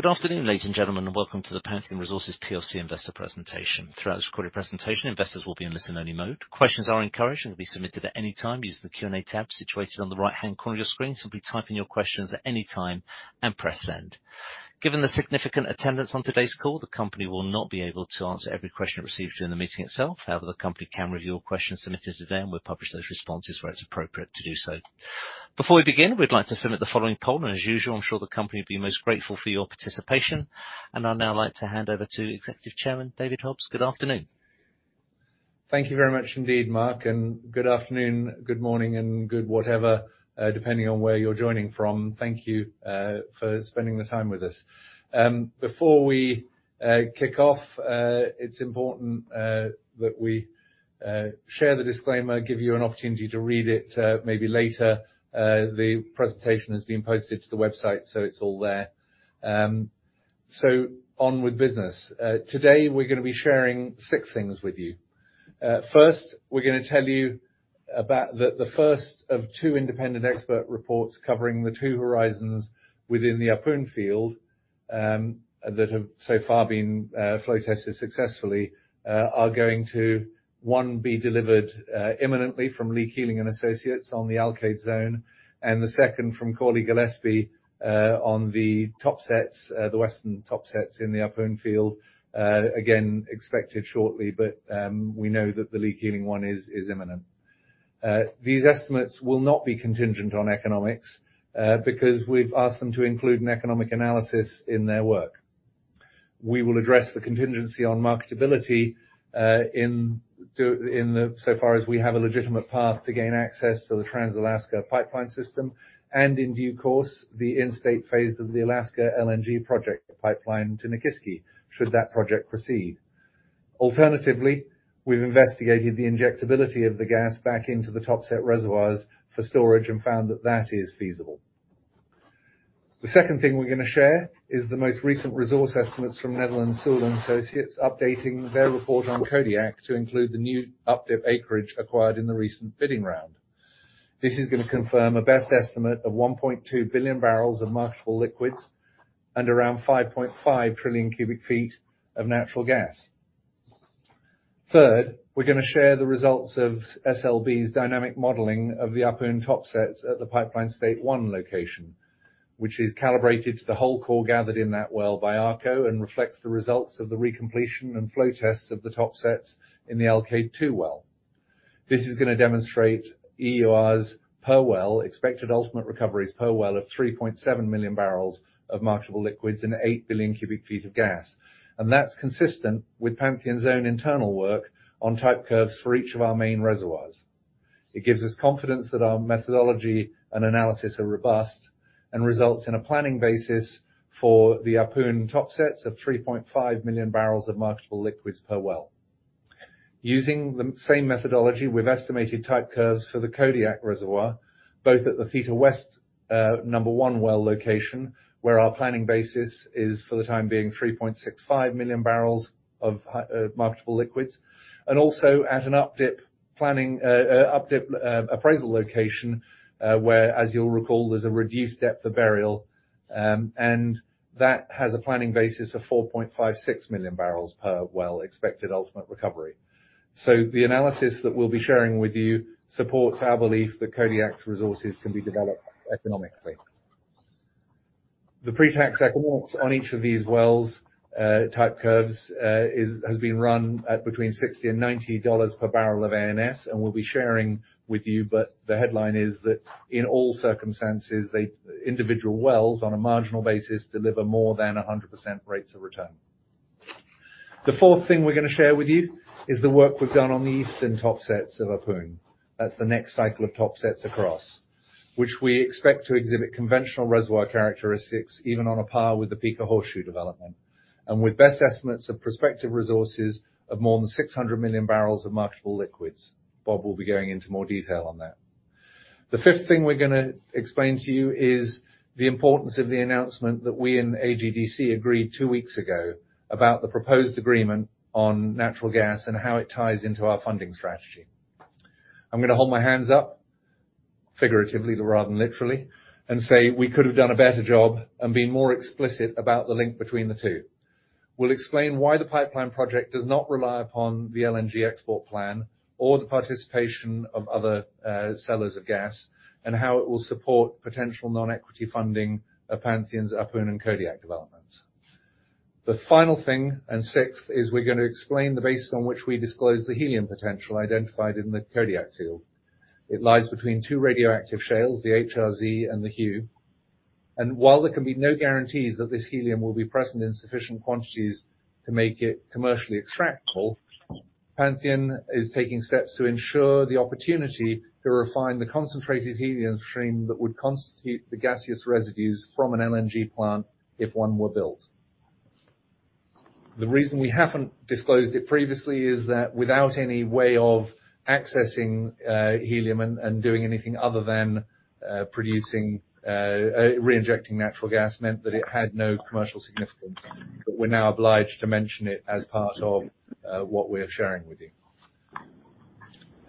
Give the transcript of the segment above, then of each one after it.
Good afternoon, ladies and gentlemen, and welcome to the Pantheon Resources plc investor presentation. Throughout this recorded presentation, investors will be in listen-only mode. Questions are encouraged and can be submitted at any time using the Q&A tab situated on the right-hand corner of your screen. Simply type in your questions at any time and press Send. Given the significant attendance on today's call, the company will not be able to answer every question it receives during the meeting itself. However, the company can review all questions submitted today, and we'll publish those responses where it's appropriate to do so. Before we begin, we'd like to submit the following poll, and as usual, I'm sure the company will be most grateful for your participation. I'd now like to hand over to Executive Chairman David Hobbs. Good afternoon. Thank you very much indeed, Mark, and good afternoon, good morning, and good whatever, depending on where you're joining from. Thank you for spending the time with us. Before we kick off, it's important that we share the disclaimer, give you an opportunity to read it, maybe later. The presentation has been posted to the website, so it's all there. On with business. Today we're gonna be sharing six things with you. First, we're gonna tell you about the first of two independent expert reports covering the two horizons within the Ahpun field that have so far been flow tested successfully are going to be delivered, one imminently from Lee Keeling & Associates on the Alkaid zone, and the second from Cawley, Gillespie & Associates on the Topsets, the western Topsets in the Ahpun field. Again, expected shortly, but we know that the Lee Keeling one is imminent. These estimates will not be contingent on economics because we've asked them to include an economic analysis in their work. We will address the contingency on marketability so far as we have a legitimate path to gain access to the Trans-Alaska Pipeline System and in due course, the in-state phase of the Alaska LNG project pipeline to Nikiski, should that project proceed. Alternatively, we've investigated the injectability of the gas back into the Topset reservoirs for storage and found that that is feasible. The second thing we're gonna share is the most recent resource estimates from Netherland, Sewell & Associates updating their report on Kodiak to include the new up-dip acreage acquired in the recent bidding round. This is gonna confirm a best estimate of 1.2 billion barrels of marketable liquids and around 5.5 TCF of natural gas. Third, we're gonna share the results of SLB's dynamic modeling of the Ahpun Topsets at the Pipeline State-1 location, which is calibrated to the whole core gathered in that well by ARCO and reflects the results of the recompletion and flow tests of the Topsets in the Alkaid #2 well. This is gonna demonstrate EURs per well, Expected Ultimate Recoveries per well of 3.7 million barrels of marketable liquids and 8 BCF of gas. That's consistent with Pantheon's own internal work on type curves for each of our main reservoirs. It gives us confidence that our methodology and analysis are robust and results in a planning basis for the Ahpun Topsets of 3.5 million barrels of marketable liquids per well. Using the same methodology, we've estimated type curves for the Kodiak reservoir, both at the Theta West number one well location, where our planning basis is, for the time being, 3.65 million barrels of marketable liquids, and also at an up-dip planning, up-dip appraisal location, where, as you'll recall, there's a reduced depth of burial, and that has a planning basis of 4.56 million barrels per well Expected Ultimate Recovery. The analysis that we'll be sharing with you supports our belief that Kodiak's resources can be developed economically. The pre-tax economics on each of these wells, type curves, is has been run at between GBP 60-GBP 90 per barrel of ANS, and we'll be sharing with you, but the headline is that in all circumstances, they, individual wells on a marginal basis deliver more than 100% rates of return. The fourth thing we're gonna share with you is the work we've done on the eastern Topsets of Ahpun. That's the next cycle of Topsets to cross, which we expect to exhibit conventional reservoir characteristics, even on a par with the Pikka-Horseshoe development, and with best estimates of prospective resources of more than 600 million barrels of marketable liquids. Bob will be going into more detail on that. The fifth thing we're gonna explain to you is the importance of the announcement that we and AGDC agreed two weeks ago about the proposed agreement on natural gas and how it ties into our funding strategy. I'm gonna hold my hands up, figuratively rather than literally, and say we could have done a better job and been more explicit about the link between the two. We'll explain why the pipeline project does not rely upon the LNG export plan or the participation of other sellers of gas and how it will support potential non-equity funding of Pantheon's Ahpun and Kodiak developments. The final thing, and sixth, is we're gonna explain the basis on which we disclose the helium potential identified in the Kodiak field. It lies between two radioactive shales, the HRZ and the Hue. While there can be no guarantees that this helium will be present in sufficient quantities to make it commercially extractable, Pantheon is taking steps to ensure the opportunity to refine the concentrated helium stream that would constitute the gaseous residues from an LNG plant if one were built. The reason we haven't disclosed it previously is that without any way of accessing helium and doing anything other than producing reinjecting natural gas meant that it had no commercial significance, but we're now obliged to mention it as part of what we're sharing with you.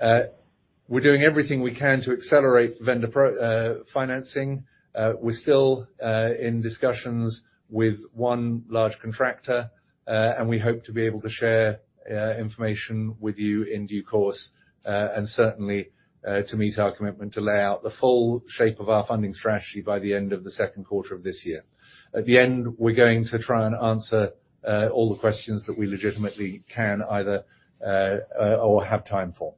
We're doing everything we can to accelerate vendor pro financing. We're still in discussions with one large contractor and we hope to be able to share information with you in due course and certainly to meet our commitment to lay out the full shape of our funding strategy by the end of the second quarter of this year. At the end, we're going to try and answer all the questions that we legitimately can either or have time for.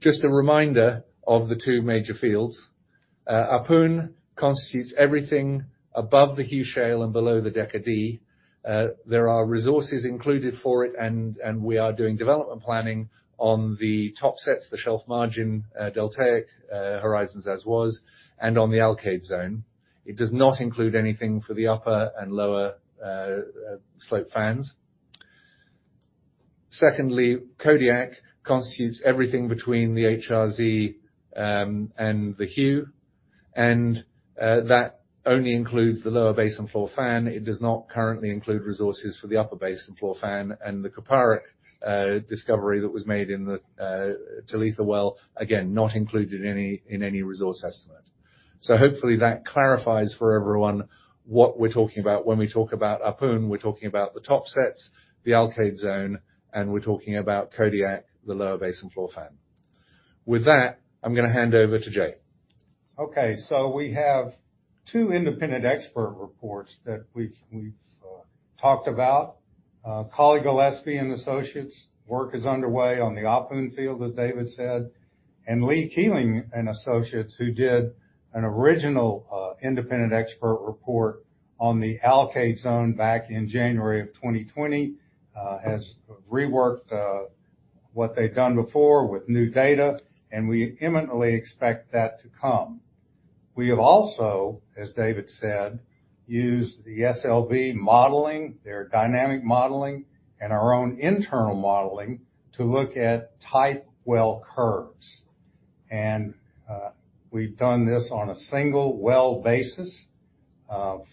Just a reminder of the two major fields. Ahpun constitutes everything above the Hue Shale and below the Decker D. There are resources included for it and we are doing development planning on the topsets, the shelf margin, deltaic horizons as well as on the Alkaid zone. It does not include anything for the upper and lower slope fans. Secondly, Kodiak constitutes everything between the HRZ and the Hue. And that only includes the lower basin floor fan. It does not currently include resources for the upper basin floor fan and the Kuparuk River Formation discovery that was made in the Talitha well, again, not included in any resource estimate. Hopefully that clarifies for everyone what we're talking about. When we talk about Ahpun, we're talking about the topsets, the Alkaid zone, and we're talking about Kodiak, the lower basin floor fan. With that, I'm gonna hand over to Jay. Okay, we have two independent expert reports that we've talked about. Cawley, Gillespie & Associates work is underway on the Ahpun field, as David said. Lee Keeling & Associates, who did an original independent expert report on the Alkaid zone back in January 2020, has reworked what they've done before with new data, and we imminently expect that to come. We have also, as David said, used the SLB modeling, their dynamic modeling and our own internal modeling to look at type well curves. We've done this on a single well basis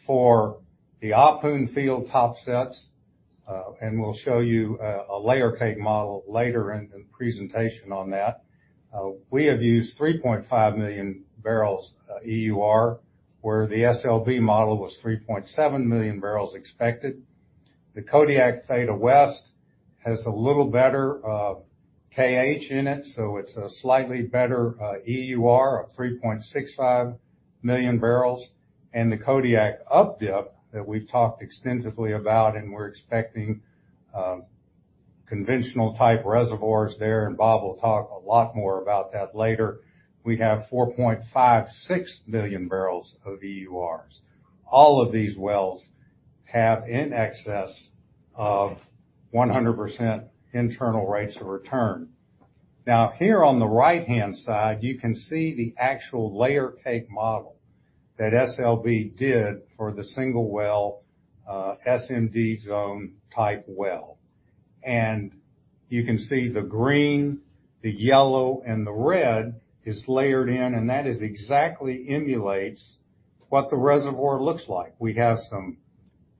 for the Ahpun field top sets. We'll show you a layer cake model later in the presentation on that. We have used 3.5 million barrels EUR, where the SLB model was 3.7 million barrels expected. The Kodiak Theta West has a little better KH in it, so it's a slightly better EUR of 3.65 million barrels. The Kodiak updip that we've talked extensively about, and we're expecting conventional type reservoirs there, and Bob will talk a lot more about that later. We have 4.56 million barrels of EURs. All of these wells have in excess of 100% internal rates of return. Now, here on the right-hand side, you can see the actual layer cake model that SLB did for the single well SMD zone type well. You can see the green, the yellow, and the red is layered in, and that is exactly emulates what the reservoir looks like. We have some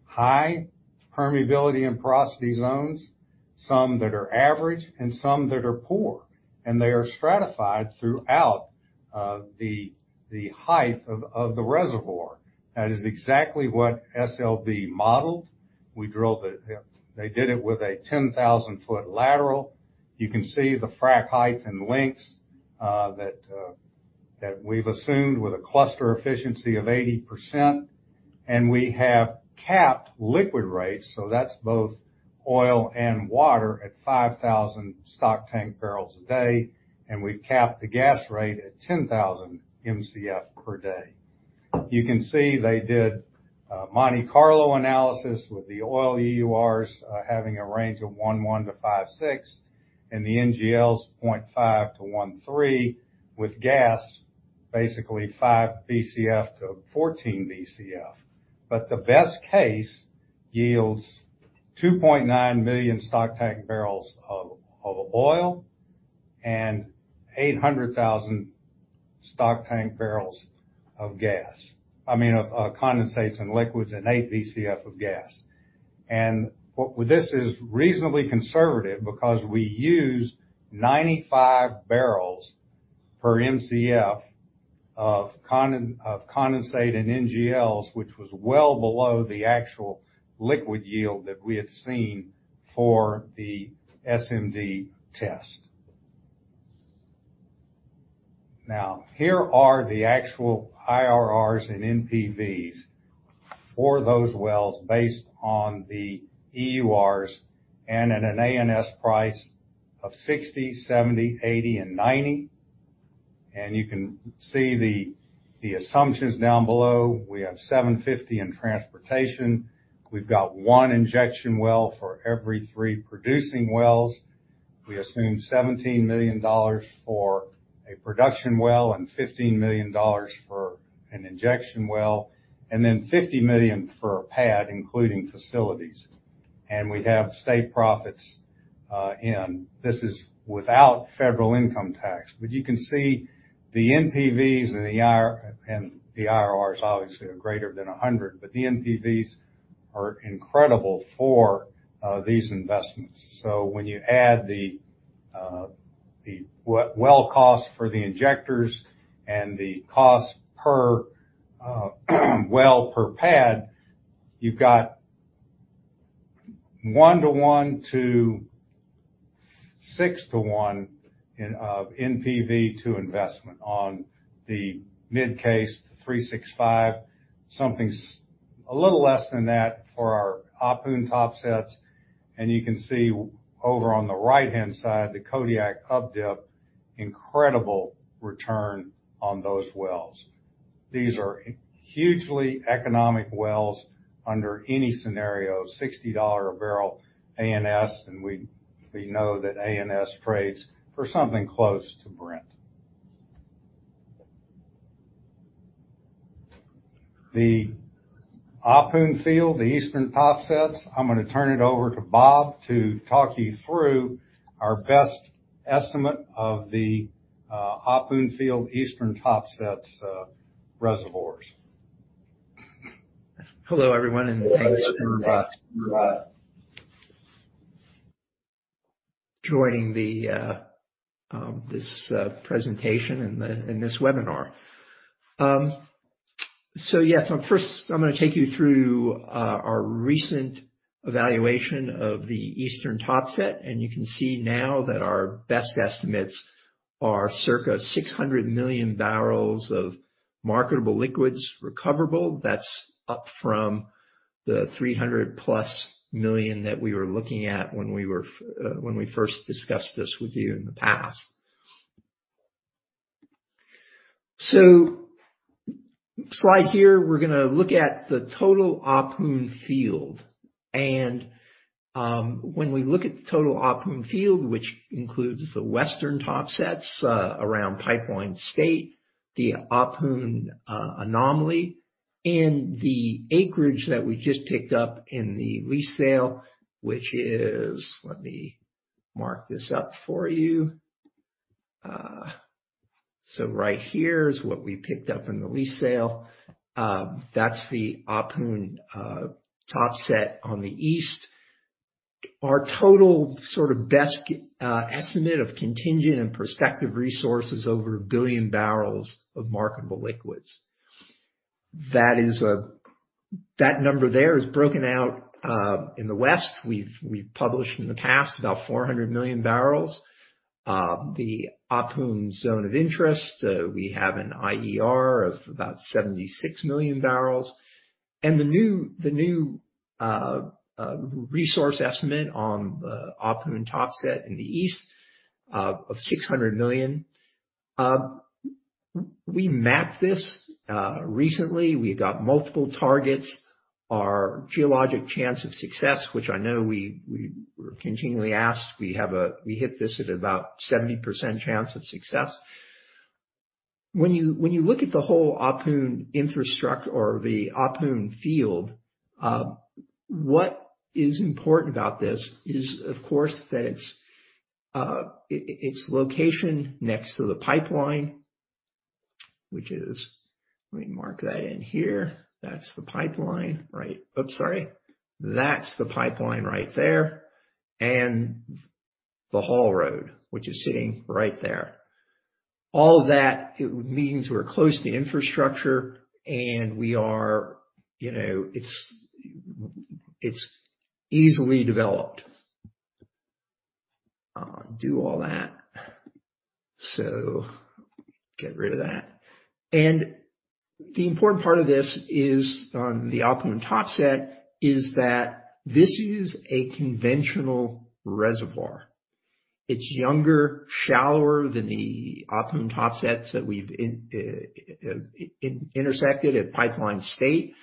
high permeability and porosity zones, some that are average and some that are poor, and they are stratified throughout the height of the reservoir. That is exactly what SLB modeled. We drilled it. They did it with a 10,000 foot lateral. You can see the frack height and lengths that we've assumed with a cluster efficiency of 80%. We have capped liquid rates, so that's both oil and water, at 5,000 stock tank barrels a day. We've capped the gas rate at 10,000 MCF per day. You can see they did a Monte Carlo analysis with the oil EURs having a range of 1.1-5.6, and the NGLs 0.5-1.3, with gas basically 5 BCF-14 BCF. The best case yields 2.9 million stock tank barrels of oil and 800,000 stock tank barrels of gas. I mean, of condensates and liquids, and 8 BCF of gas. This is reasonably conservative because we use 95 barrels per MCF of condensate and NGLs, which was well below the actual liquid yield that we had seen for the SMD test. Now, here are the actual IRRs and NPVs for those wells based on the EURs and at an ANS price of 60, 70, 80, and 90. You can see the assumptions down below. We have 7.50 in transportation. We've got one injection well for every three producing wells. We assume GBP 17 million for a production well and GBP 15 million for an injection well, and then 50 million for a pad, including facilities. We have state profits in. This is without federal income tax. You can see the NPVs and the IRRs obviously are greater than 100. The NPVs are incredible for these investments. When you add the well cost for the injectors and the cost per well per pad, you've got 1/1 to 6/1 in NPV to investment on the mid case 365. Something a little less than that for our Ahpun Topsets. You can see over on the right-hand side, the Kodiak up-dip, incredible return on those wells. These are hugely economic wells under any scenario, GBP 60 a barrel ANS, and we know that ANS trades for something close to Brent. The Ahpun field, the Eastern Topsets, I'm gonna turn it over to Bob to talk you through our best estimate of the Ahpun field Eastern Topsets' reservoirs. Hello, everyone, and thanks for joining this presentation and the webinar. Yes, I'm gonna take you through our recent evaluation of the Eastern Topsets, and you can see now that our best estimates are circa 600 million barrels of marketable liquids recoverable. That's up from the 300+ million that we were looking at when we first discussed this with you in the past. Slide here, we're gonna look at the total Ahpun field. When we look at the total Ahpun field, which includes the Western Topsets around Pipeline State, the Ahpun anomaly, and the acreage that we just picked up in the lease sale, which is. Let me mark this up for you. Right here is what we picked up in the lease sale. That's the Ahpun Topsets on the east. Our total sort of best estimate of contingent and prospective resource is over one billion barrels of marketable liquids. That number there is broken out in the west. We've published in the past about 400 million barrels. The Ahpun zone of interest, we have an IER of about 76 million barrels. The new resource estimate on the Ahpun Topsets in the east of 600 million. We mapped this recently. We got multiple targets. Our geologic chance of success, which I know we are continually asked, we hit this at about 70% chance of success. When you look at the whole Ahpun field, what is important about this is, of course, that it's its location next to the pipeline. Let me mark that in here. That's the pipeline, right? Oops, sorry. That's the pipeline right there. And the haul road, which you're seeing right there. All of that means we're close to infrastructure, and we are, you know, it's easily developed. Do all that. So get rid of that. The important part of this is on the Ahpun Topset is that this is a conventional reservoir. It's younger, shallower than the Ahpun Topsets that we've intersected at Pipeline State-1.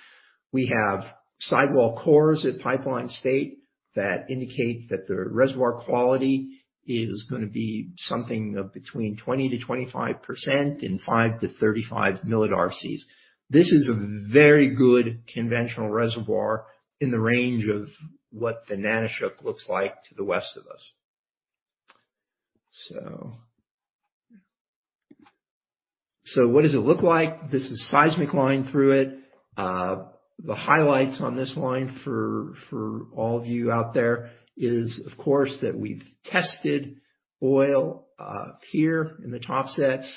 We have sidewall cores at Pipeline State-1 that indicate that the reservoir quality is gonna be something of between 20%-25% and 5-35 millidarcies. This is a very good conventional reservoir in the range of what the Nanushuk looks like to the west of us. What does it look like? This is seismic line through it. The highlights on this line for all of you out there is, of course, that we've tested oil here in the Topsets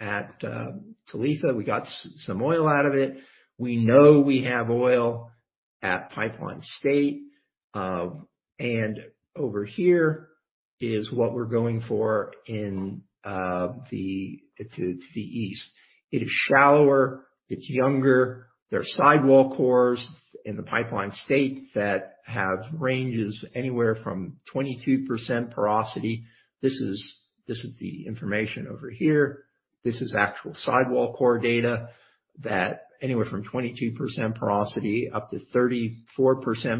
at Talitha. We got some oil out of it. We know we have oil at Pipeline State. And over here is what we're going for in to the east. It is shallower. It's younger. There are sidewall cores in the Pipeline State that have ranges anywhere from 22% porosity. This is the information over here. This is actual sidewall core data that anywhere from 22% porosity up to 34%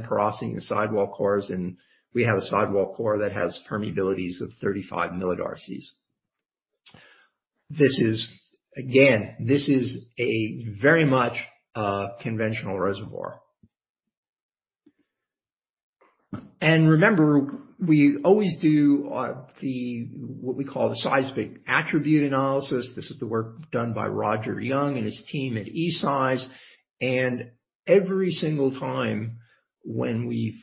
porosity in the sidewall cores, and we have a sidewall core that has permeabilities of 35 millidarcies. This is a very much conventional reservoir. Remember, we always do what we call the seismic attribute analysis. This is the work done by Roger Young and his team at eSeis. Every single time when we've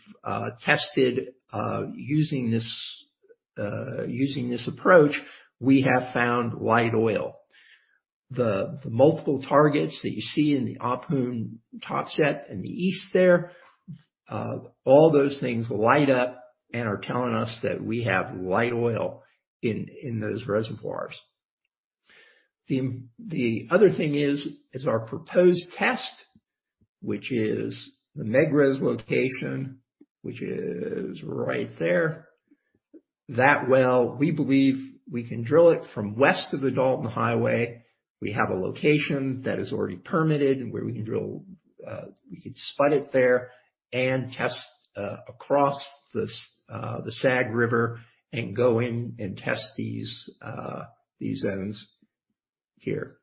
tested using this approach, we have found light oil. The multiple targets that you see in the Ahpun topset in the east there all those things light up and are telling us that we have light oil in those reservoirs. The other thing is our proposed test, which is the Megrez location, which is right there. That well, we believe we can drill it from west of the Dalton Highway. We have a location that is already permitted where we can drill. We could spot it there and test across the Sagavanirktok River and go in and test these ends here.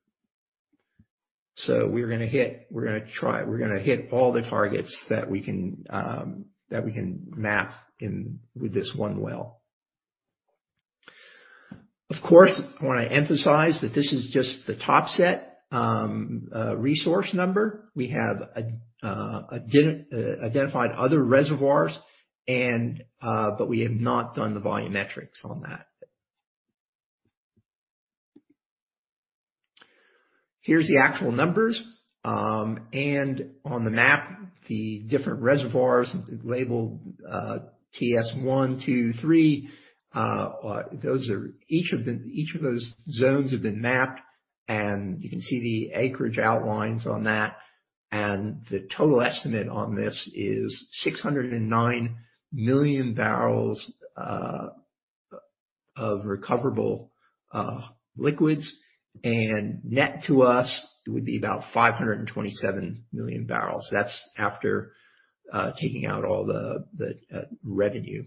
We're gonna try. We're gonna hit all the targets that we can map in with this one well. Of course, I wanna emphasize that this is just the Topsets resource number. We have identified other reservoirs and but we have not done the volumetrics on that. Here's the actual numbers and on the map, the different reservoirs labeled TS 1, 2, 3, those are. Each of those zones have been mapped, and you can see the acreage outlines on that. The total estimate on this is 609 million barrels of recoverable liquids. Net to us, it would be about 527 million barrels. That's after taking out all the revenue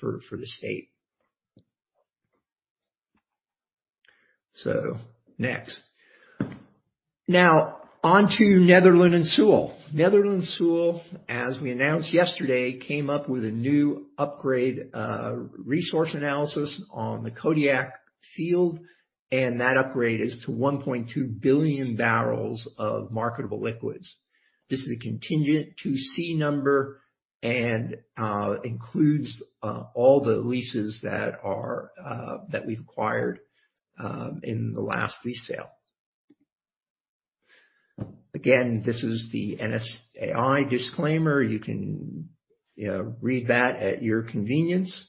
for the state. Next. Now on to Netherland, Sewell. Netherland, Sewell, as we announced yesterday, came up with a new upgrade resource analysis on the Kodiak field, and that upgrade is to 1.2 billion barrels of marketable liquids. This is a contingent 2C number and includes all the leases that we've acquired in the last lease sale. Again, this is the NSAI disclaimer. You can, you know, read that at your convenience.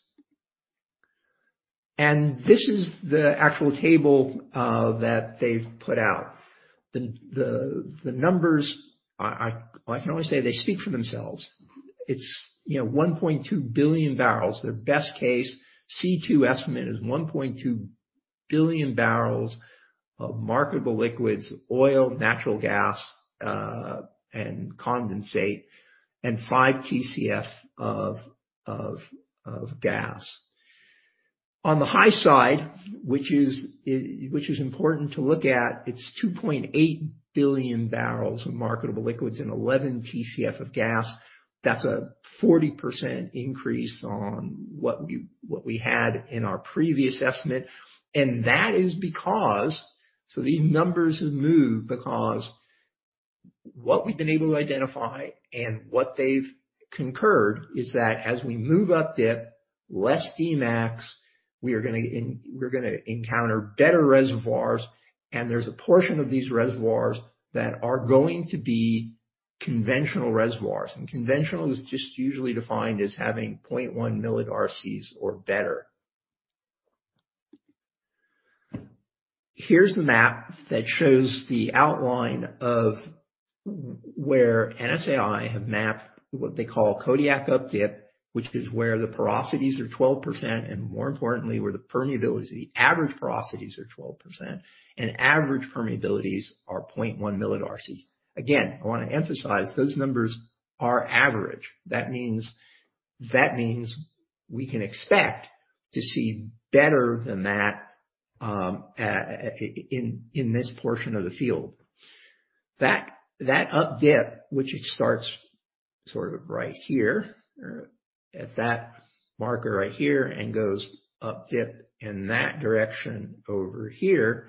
This is the actual table that they've put out. The numbers, I can only say they speak for themselves. It's, you know, 1.2 billion barrels. Their best case 2C estimate is 1.2 billion barrels of marketable liquids, oil, natural gas, and condensate and 5 TCF of gas. On the high side, which is important to look at, it's 2.8 billion barrels of marketable liquids and 11 TCF of gas. That's a 40% increase on what we had in our previous estimate. That is because These numbers have moved because what we've been able to identify and what they've concurred is that as we move up dip, less Dmax, we're gonna encounter better reservoirs, and there's a portion of these reservoirs that are going to be conventional reservoirs. Conventional is just usually defined as having 0.1 millidarcies or better. Here's the map that shows the outline of where NSAI have mapped what they call Kodiak up dip, which is where the porosities are 12%, and more importantly, where the permeability, average porosities are 12% and average permeabilities are 0.1 millidarcies. Again, I wanna emphasize, those numbers are average. That means we can expect to see better than that in this portion of the field. That up dip, which it starts sort of right here or at that marker right here and goes up dip in that direction over here,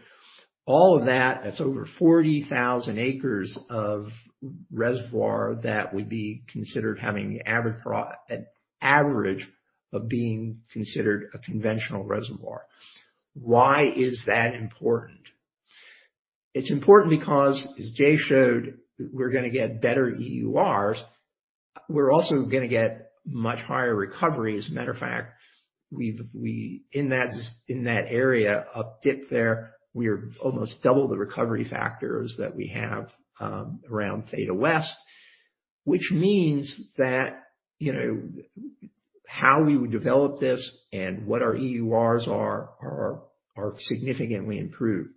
all of that's over 40,000 acres of reservoir that would be considered having an average of being considered a conventional reservoir. Why is that important? It's important because, as Jay showed, we're gonna get better EURs. We're also gonna get much higher recovery. As a matter of fact, in that area up dip there, we're almost double the recovery factors that we have around Theta West, which means that, you know, how we would develop this and what our EURs are significantly improved.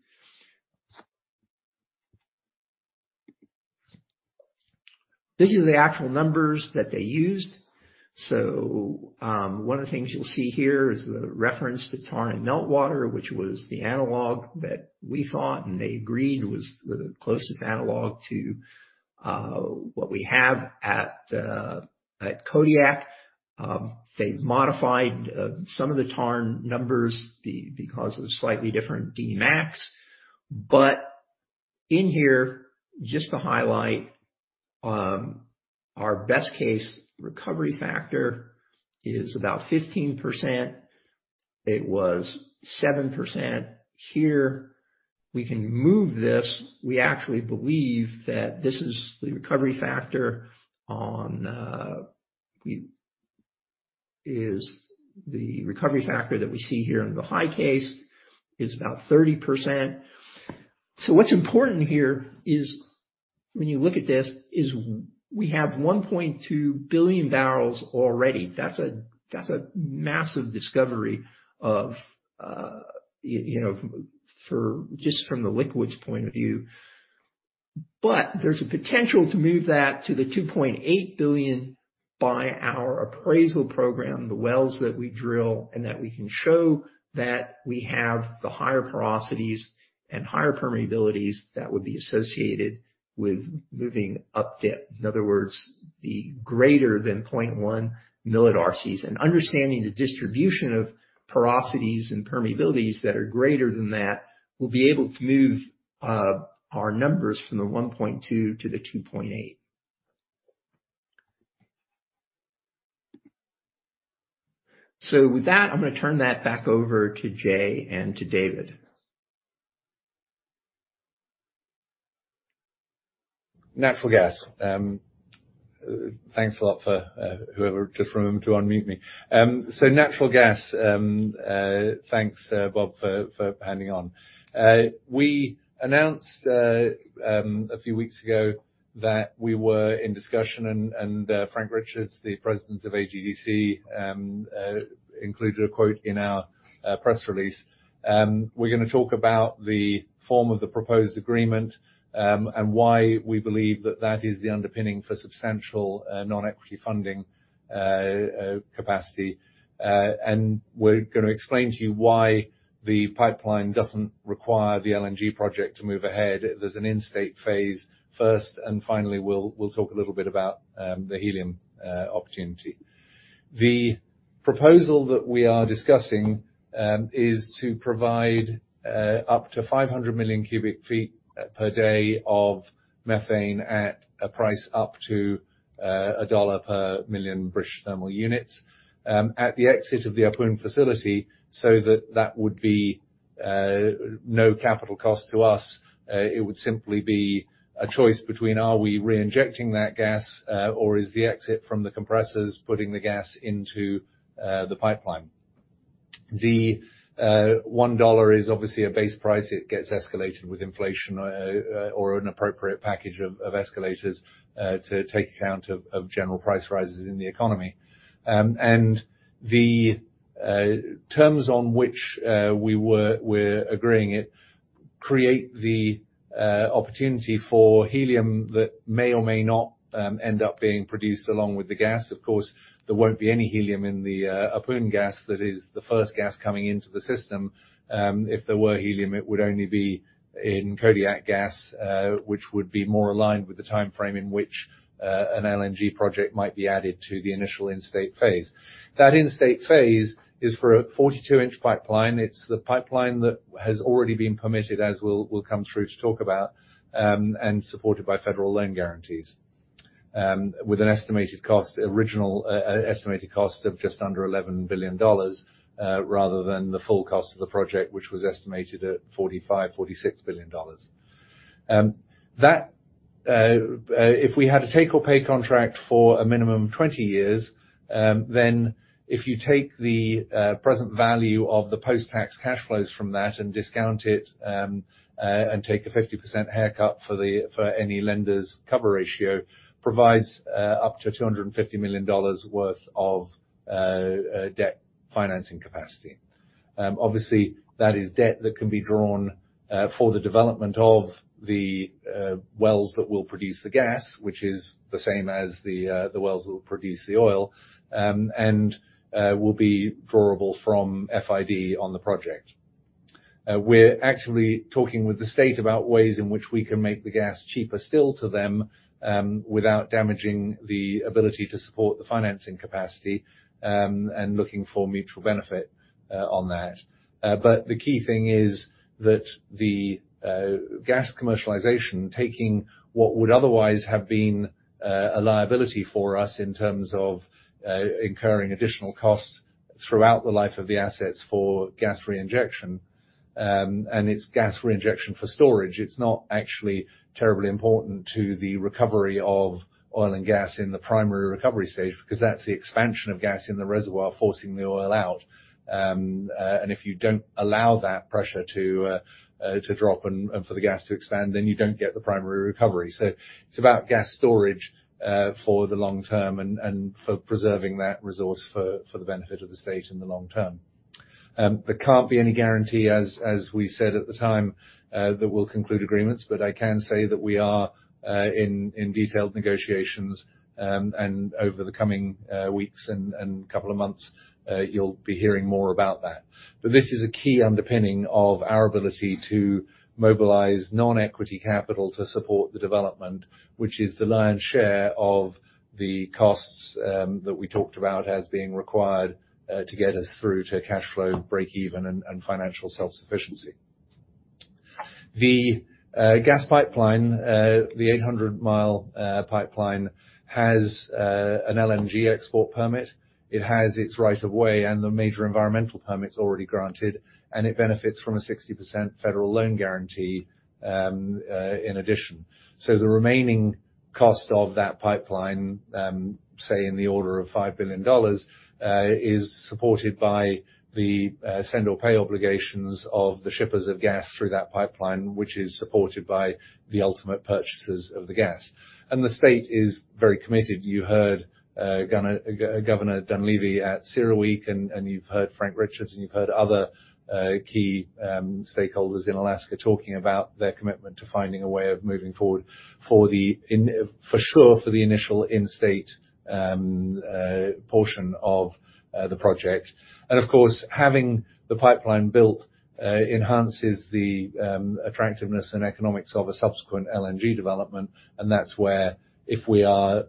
This is the actual numbers that they used. One of the things you'll see here is the reference to Tarn Meltwater, which was the analog that we thought, and they agreed, was the closest analog to what we have at Kodiak. They've modified some of the Tarn numbers because of slightly different Dmax. But in here, just to highlight, our best case recovery factor is about 15%. It was 7%. Here we can move this. We actually believe that this is the recovery factor that we see here in the high case is about 30%. What's important here is when you look at this, we have 1.2 billion barrels already. That's a massive discovery, you know, for just from the liquids point of view. There's a potential to move that to the 2.8 billion by our appraisal program, the wells that we drill, and that we can show that we have the higher porosities and higher permeabilities that would be associated with moving up dip. In other words, the greater than 0.1 millidarcies. Understanding the distribution of porosities and permeabilities that are greater than that, we'll be able to move our numbers from the 1.2 to the 2.8. With that, I'm gonna turn that back over to Jay and to David. Natural gas. Thanks a lot for whoever just remembered to unmute me. Natural gas. Thanks, Bob, for hanging on. We announced a few weeks ago that we were in discussion and Frank Richards, the President of AGDC, included a quote in our press release. We're gonna talk about the form of the proposed agreement and why we believe that that is the underpinning for substantial non-equity funding capacity. We're gonna explain to you why the pipeline doesn't require the LNG project to move ahead. There's an in-state phase first. Finally, we'll talk a little bit about the helium opportunity. The proposal that we are discussing is to provide up to 500 MCF per day of methane at a price up to GBP 1 per million British thermal units at the exit of the Ahpun facility so that that would be no capital cost to us. It would simply be a choice between are we reinjecting that gas or is the exit from the compressors putting the gas into the pipeline. The GBP 1 is obviously a base price. It gets escalated with inflation or an appropriate package of escalators to take account of general price rises in the economy. The terms on which we were we're agreeing it create the opportunity for helium that may or may not end up being produced along with the gas. Of course, there won't be any helium in the Ahpun gas. That is the first gas coming into the system. If there were helium, it would only be in Kodiak gas, which would be more aligned with the timeframe in which an LNG project might be added to the initial in-state phase. That in-state phase is for a 42 in pipeline. It's the pipeline that has already been permitted as we'll come through to talk about, and supported by federal loan guarantees. With an original estimated cost of just under GBP 11 billion, rather than the full cost of the project, which was estimated at GBP 45 billion-GBP 46 billion. That if we had a take or pay contract for a minimum of 20 years, then if you take the present value of the post-tax cash flows from that and discount it, and take a 50% haircut for any lender's cover ratio, provides up to GBP 250 million worth of debt financing capacity. Obviously, that is debt that can be drawn for the development of the wells that will produce the gas, which is the same as the wells that will produce the oil, and will be drawable from FID on the project. We're actually talking with the state about ways in which we can make the gas cheaper still to them, without damaging the ability to support the financing capacity, and looking for mutual benefit, on that. The key thing is that the gas commercialization, taking what would otherwise have been a liability for us in terms of incurring additional costs throughout the life of the assets for gas reinjection for storage. It's not actually terribly important to the recovery of oil and gas in the primary recovery stage, because that's the expansion of gas in the reservoir, forcing the oil out. If you don't allow that pressure to drop and for the gas to expand, then you don't get the primary recovery. It's about gas storage for the long term and for preserving that resource for the benefit of the state in the long term. There can't be any guarantee as we said at the time that we'll conclude agreements, but I can say that we are in detailed negotiations. Over the coming weeks and couple of months, you'll be hearing more about that. This is a key underpinning of our ability to mobilize non-equity capital to support the development, which is the lion's share of the costs that we talked about as being required to get us through to cash flow breakeven and financial self-sufficiency. The gas pipeline, the 800 mi pipeline, has an LNG export permit. It has its right of way and the major environmental permits already granted, and it benefits from a 60% federal loan guarantee in addition. The remaining cost of that pipeline, say in the order of GBP 5 billion, is supported by the take-or-pay obligations of the shippers of gas through that pipeline, which is supported by the ultimate purchasers of the gas. The state is very committed. You heard Governor Dunleavy at CERAWeek, and you've heard Frank Richards, and you've heard other key stakeholders in Alaska talking about their commitment to finding a way of moving forward for the initial in-state portion of the project. Of course, having the pipeline built enhances the attractiveness and economics of a subsequent LNG development. That's where if we are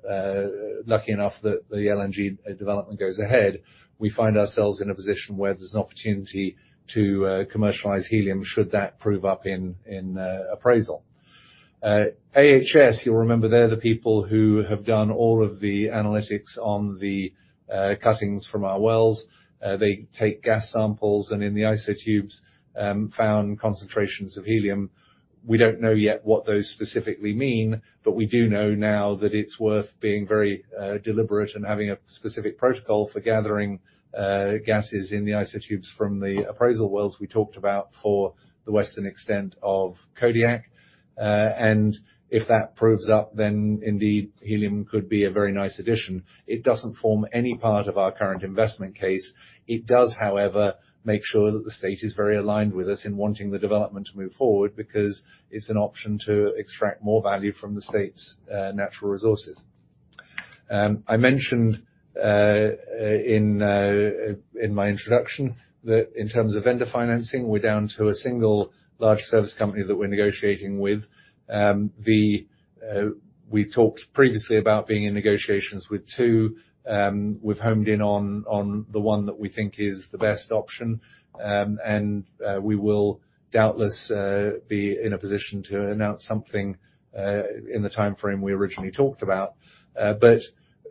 lucky enough that the LNG development goes ahead, we find ourselves in a position where there's an opportunity to commercialize helium should that prove up in appraisal. AHS, you'll remember they're the people who have done all of the analytics on the cuttings from our wells. They take gas samples, and in the IsoTubes, found concentrations of helium. We don't know yet what those specifically mean, but we do know now that it's worth being very deliberate and having a specific protocol for gathering gases in the IsoTubes from the appraisal wells we talked about for the western extent of Kodiak. If that proves up, then indeed helium could be a very nice addition. It doesn't form any part of our current investment case. It does, however, make sure that the state is very aligned with us in wanting the development to move forward because it's an option to extract more value from the state's natural resources. I mentioned in my introduction that in terms of vendor financing, we're down to a single large service company that we're negotiating with. We talked previously about being in negotiations with two. We've homed in on the one that we think is the best option. We will doubtless be in a position to announce something in the timeframe we originally talked about.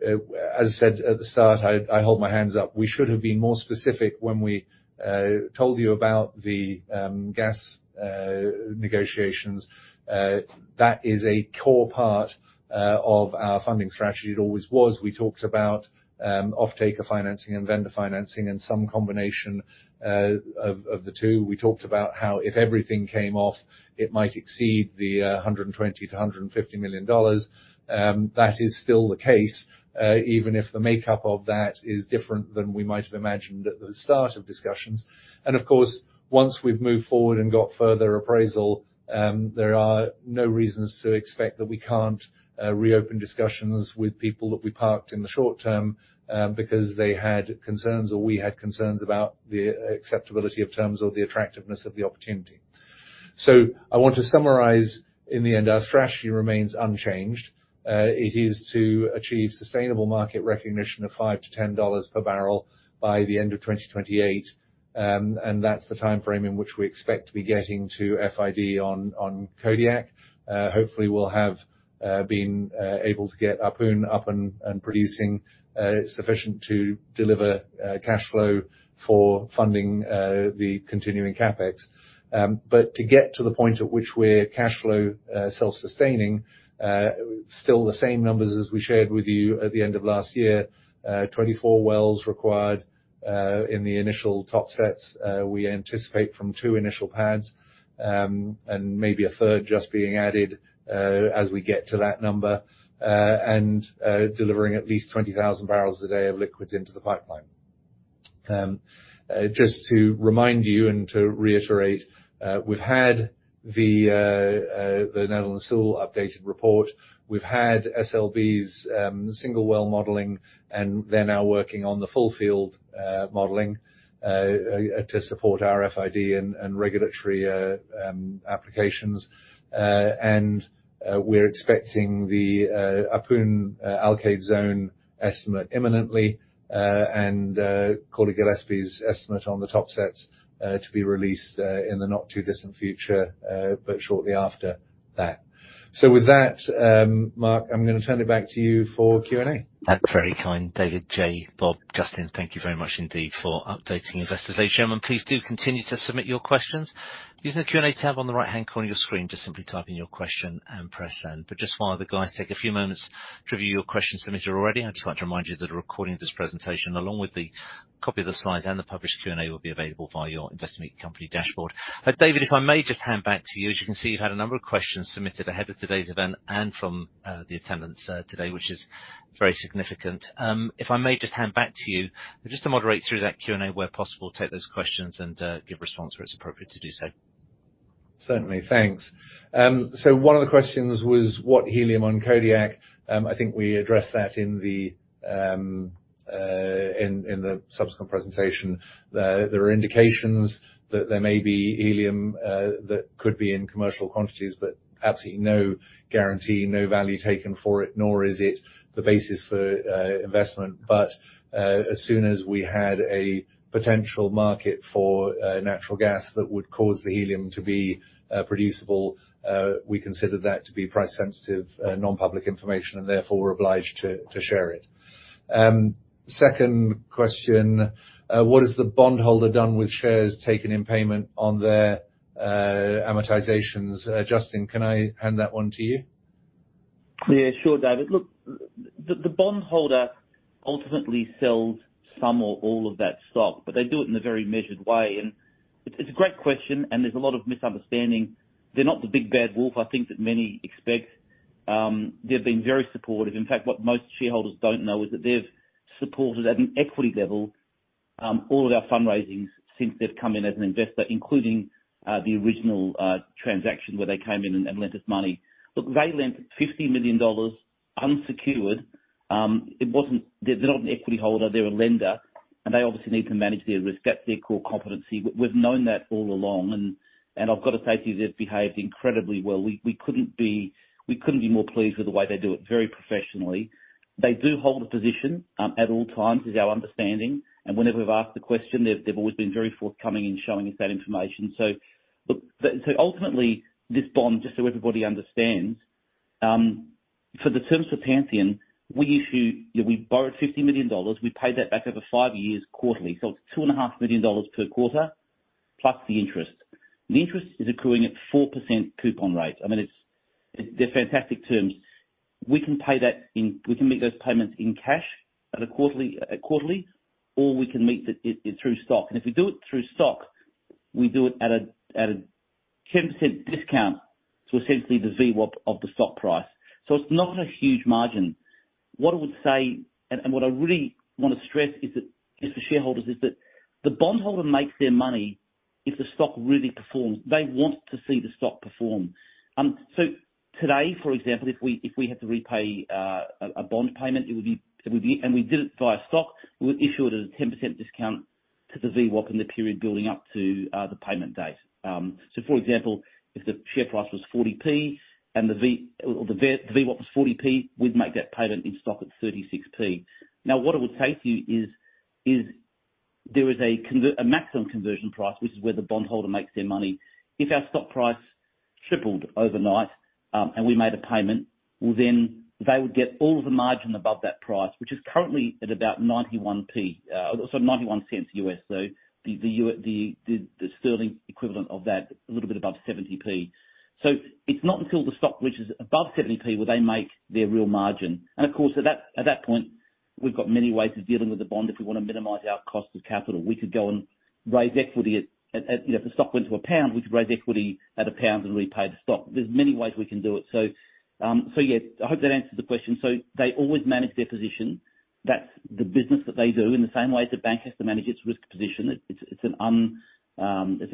As I said at the start, I hold my hands up. We should have been more specific when we told you about the gas negotiations. That is a core part of our funding strategy. It always was. We talked about offtake of financing and vendor financing and some combination of the two. We talked about how if everything came off, it might exceed the GBP 120 million-GBP 150 million. That is still the case, even if the makeup of that is different than we might have imagined at the start of discussions. Of course, once we've moved forward and got further appraisal, there are no reasons to expect that we can't reopen discussions with people that we parked in the short term, because they had concerns or we had concerns about the acceptability of terms or the attractiveness of the opportunity. I want to summarize in the end, our strategy remains unchanged. It is to achieve sustainable market recognition of GBP 5-GBP 10 per barrel by the end of 2028. That's the timeframe in which we expect to be getting to FID on Kodiak. Hopefully we'll have been able to get Ahpun up and producing sufficient to deliver cash flow for funding the continuing CapEx. To get to the point at which we're cash flow self-sustaining, still the same numbers as we shared with you at the end of last year. 24 wells required in the initial Topsets, we anticipate from two initial pads, and maybe 1/3 just being added as we get to that number, and delivering at least 20,000 barrels a day of liquids into the pipeline. Just to remind you and to reiterate, we've had the Netherland, Sewell updated report. We've had SLB's single well modeling, and they're now working on the full field modeling to support our FID and regulatory applications. We're expecting the Ahpun Alkaid zone estimate imminently, and Cawley, Gillespie's estimate on the top sets to be released in the not-too-distant future, but shortly after that. With that, Mark, I'm gonna turn it back to you for Q&A. That's very kind. David, Jay, Bob, Justin, thank you very much indeed for updating investors. Ladies and gentlemen, please do continue to submit your questions. Using the Q&A tab on the right-hand corner of your screen, just simply type in your question and press Send. Just while the guys take a few moments to review your questions submitted already, I just want to remind you that a recording of this presentation, along with the copy of the slides and the published Q&A, will be available via your Investor Meet Company dashboard. David, if I may just hand back to you. As you can see, you've had a number of questions submitted ahead of today's event and from the attendees today, which is very significant. f I may just hand back to you just to moderate through that Q&A where possible, take those questions, and give response where it's appropriate to do so. Certainly. Thanks. One of the questions was what helium on Kodiak. I think we addressed that in the subsequent presentation. There are indications that there may be helium that could be in commercial quantities, but absolutely no guarantee, no value taken for it, nor is it the basis for investment. As soon as we had a potential market for natural gas that would cause the helium to be producible, we considered that to be price sensitive non-public information, and therefore we're obliged to share it. Second question. What has the bondholder done with shares taken in payment on their amortizations? Justin, can I hand that one to you? Yeah. Sure, David. Look, the bondholder ultimately sells some or all of that stock, but they do it in a very measured way. It's a great question, and there's a lot of misunderstanding. They're not the big bad wolf I think that many expect. They've been very supportive. In fact, what most shareholders don't know is that they've supported at an equity level all of our fundraisings since they've come in as an investor, including the original transaction where they came in and lent us money. Look, they lent GBP 50 million unsecured. They're not an equity holder, they're a lender, and they obviously need to manage their risk. That's their core competency. We've known that all along, and I've got to say to you, they've behaved incredibly well. We couldn't be more pleased with the way they do it very professionally. They do hold a position at all times, is our understanding. Whenever we've asked the question, they've always been very forthcoming in showing us that information. Ultimately this bond, just so everybody understands, for the terms for Pantheon. You know, we borrowed GBP 50 million. We paid that back over five years quarterly, so it's GBP 2.5 million per quarter, plus the interest. The interest is accruing at 4% coupon rate. I mean, they're fantastic terms. We can make those payments in cash quarterly, or we can meet it through stock. If we do it through stock, we do it at a 10% discount to essentially the VWAP of the stock price. It's not a huge margin. What I would say and what I really wanna stress is that for shareholders, the bondholder makes their money if the stock really performs. They want to see the stock perform. Today, for example, if we had to repay a bond payment, it would be. If we did it via stock, we would issue it at a 10% discount to the VWAP in the period building up to the payment date. For example, if the share price was 40p and the VWAP was 40p, we'd make that payment in stock at 36p. Now, what I would say to you is there is a maximum conversion price, which is where the bondholder makes their money. If our stock price tripled overnight and we made a payment, well, then they would get all of the margin above that price, which is currently at about 91p. So $0.91. So the sterling equivalent of that, a little bit above 70p. It's not until the stock reaches above 70p will they make their real margin. Of course, at that point, we've got many ways of dealing with the bond if we wanna minimize our cost of capital. We could go and raise equity at, you know, if the stock went to GBP 1, we could raise equity at GBP 1 and repay the bond. There's many ways we can do it. Yeah. I hope that answers the question. They always manage their position. That's the business that they do in the same way as the bank has to manage its risk position. It's an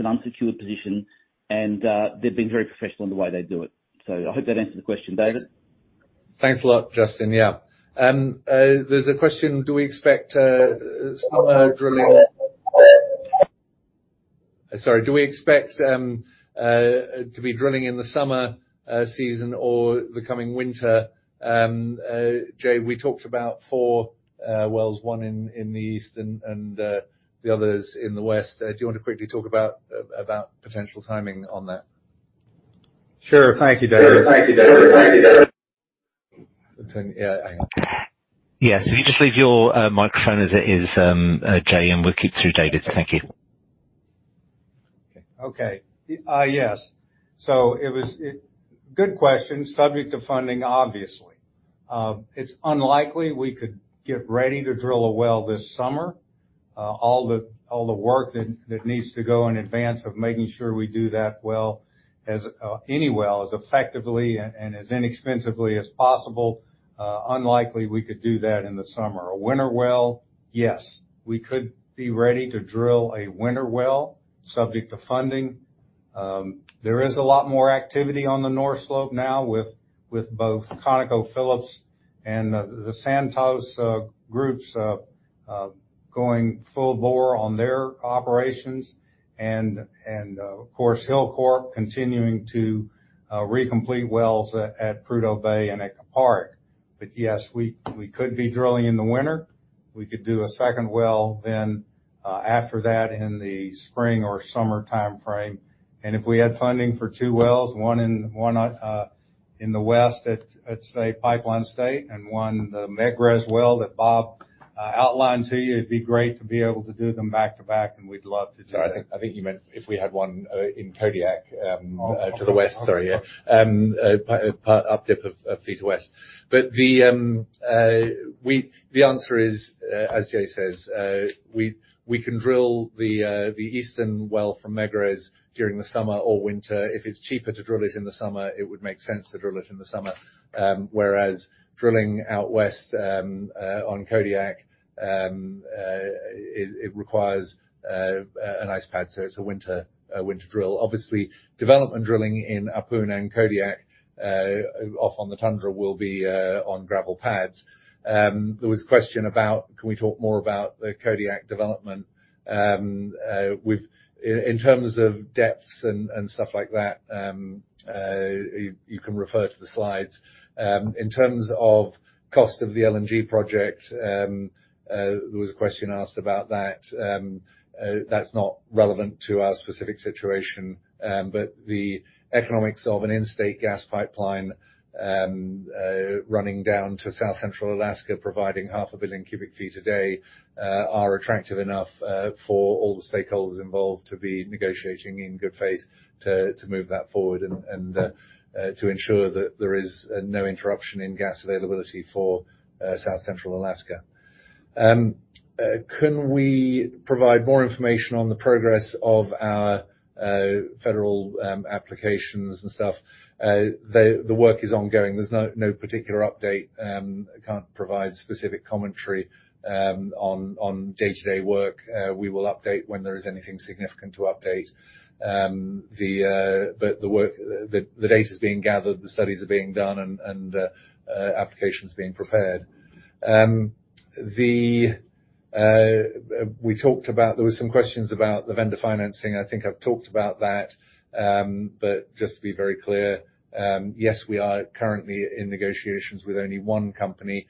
unsecured position and they've been very professional in the way they do it. I hope that answered the question. David? Thanks a lot, Justin. Yeah. There's a question: do we expect summer drilling? Sorry. Do we expect to be drilling in the summer season or the coming winter? Jay, we talked about four wells, one in the east and the others in the west. Do you wanna quickly talk about potential timing on that? Sure. Thank you, David. Turn, yeah. Hang on. Yes. Can you just leave your microphone as it is, Jay, and we'll kick to David. Thank you. Good question. Subject to funding, obviously. It's unlikely we could get ready to drill a well this summer. All the work that needs to go in advance of making sure we do that well as any well as effectively and as inexpensively as possible. Unlikely we could do that in the summer. A winter well, yes. We could be ready to drill a winter well subject to funding. There is a lot more activity on the North Slope now with both ConocoPhillips and the Santos groups going full bore on their operations and of course Hilcorp continuing to recomplete wells at Prudhoe Bay and at Kupik. Yes, we could be drilling in the winter. We could do a second well then, after that in the spring or summer timeframe. If we had funding for two wells, one in the west at say Pipeline State and one, the Megrez's well that Bob outlined to you, it'd be great to be able to do them back to back, and we'd love to do that. Sorry. I think you meant if we had one in Kodiak to the west. Sorry. Yeah. The answer is, as Jay says, we can drill the eastern well from Megrez-1 during the summer or winter. If it's cheaper to drill it in the summer, it would make sense to drill it in the summer. Whereas drilling out west on Kodiak, it requires an ice pad, so it's a winter drill. Obviously, development drilling in Ahpun and Kodiak out on the tundra will be on gravel pads. There was a question about, can we talk more about the Kodiak development with... In terms of depths and stuff like that. You can refer to the slides. In terms of cost of the LNG project, there was a question asked about that. That's not relevant to our specific situation, but the economics of an in-state gas pipeline running down to South Central Alaska, providing 0.5 BCF a day, are attractive enough for all the stakeholders involved to be negotiating in good faith to move that forward and to ensure that there is no interruption in gas availability for South Central Alaska. Can we provide more information on the progress of our federal applications and stuff? The work is ongoing. There's no particular update. I can't provide specific commentary on day-to-day work. We will update when there is anything significant to update. The data is being gathered, the studies are being done, and applications are being prepared. There was some questions about the vendor financing. I think I've talked about that. Just to be very clear, yes, we are currently in negotiations with only one company.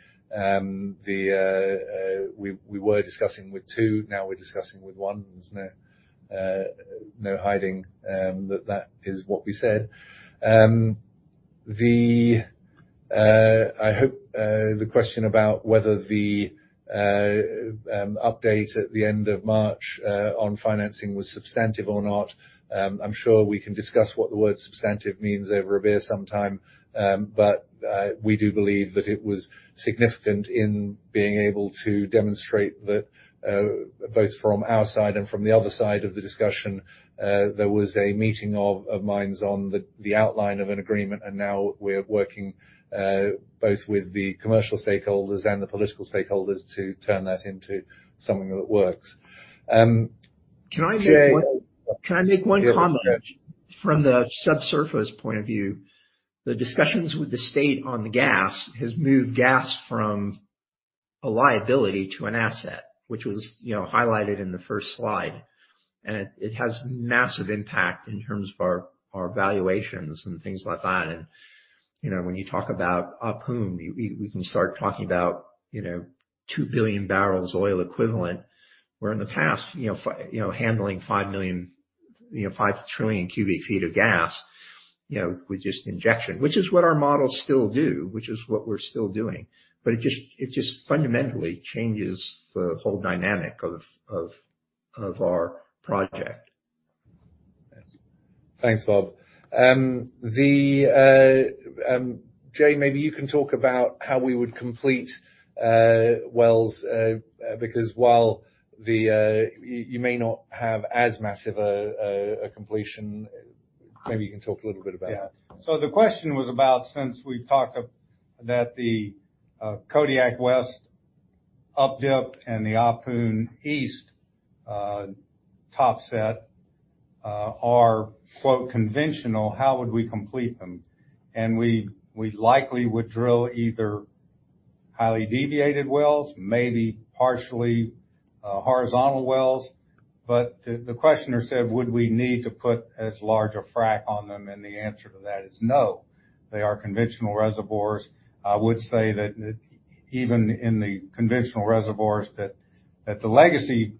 We were discussing with two, now we're discussing with one. There's no hiding that is what we said. I hope the question about whether the update at the end of March on financing was substantive or not. I'm sure we can discuss what the word substantive means over a beer sometime. We do believe that it was significant in being able to demonstrate that both from our side and from the other side of the discussion there was a meeting of minds on the outline of an agreement, and now we're working both with the commercial stakeholders and the political stakeholders to turn that into something that works. Jay- Can I make one- Yeah. Can I make one comment? Yeah. From the subsurface point of view, the discussions with the state on the gas has moved gas from a liability to an asset, which was, you know, highlighted in the first slide. It has massive impact in terms of our valuations and things like that. You know, when you talk about Ahpun, we can start talking about, you know, two billion barrels oil equivalent, where in the past, you know, handling 5 TCF of gas, you know, with just injection. Which is what our models still do, which is what we're still doing. It just fundamentally changes the whole dynamic of our project. Thanks, Bob. Jay, maybe you can talk about how we would complete wells, because while you may not have as massive a completion, maybe you can talk a little bit about that. Yeah. The question was about, since we've talked about the Kodiak West up dip and the Ahpun East top set are conventional, how would we complete them? We likely would drill either highly deviated wells, maybe partially horizontal wells. The questioner said, would we need to put as large a frack on them? The answer to that is no. They are conventional reservoirs. I would say that even in the conventional reservoirs that the legacy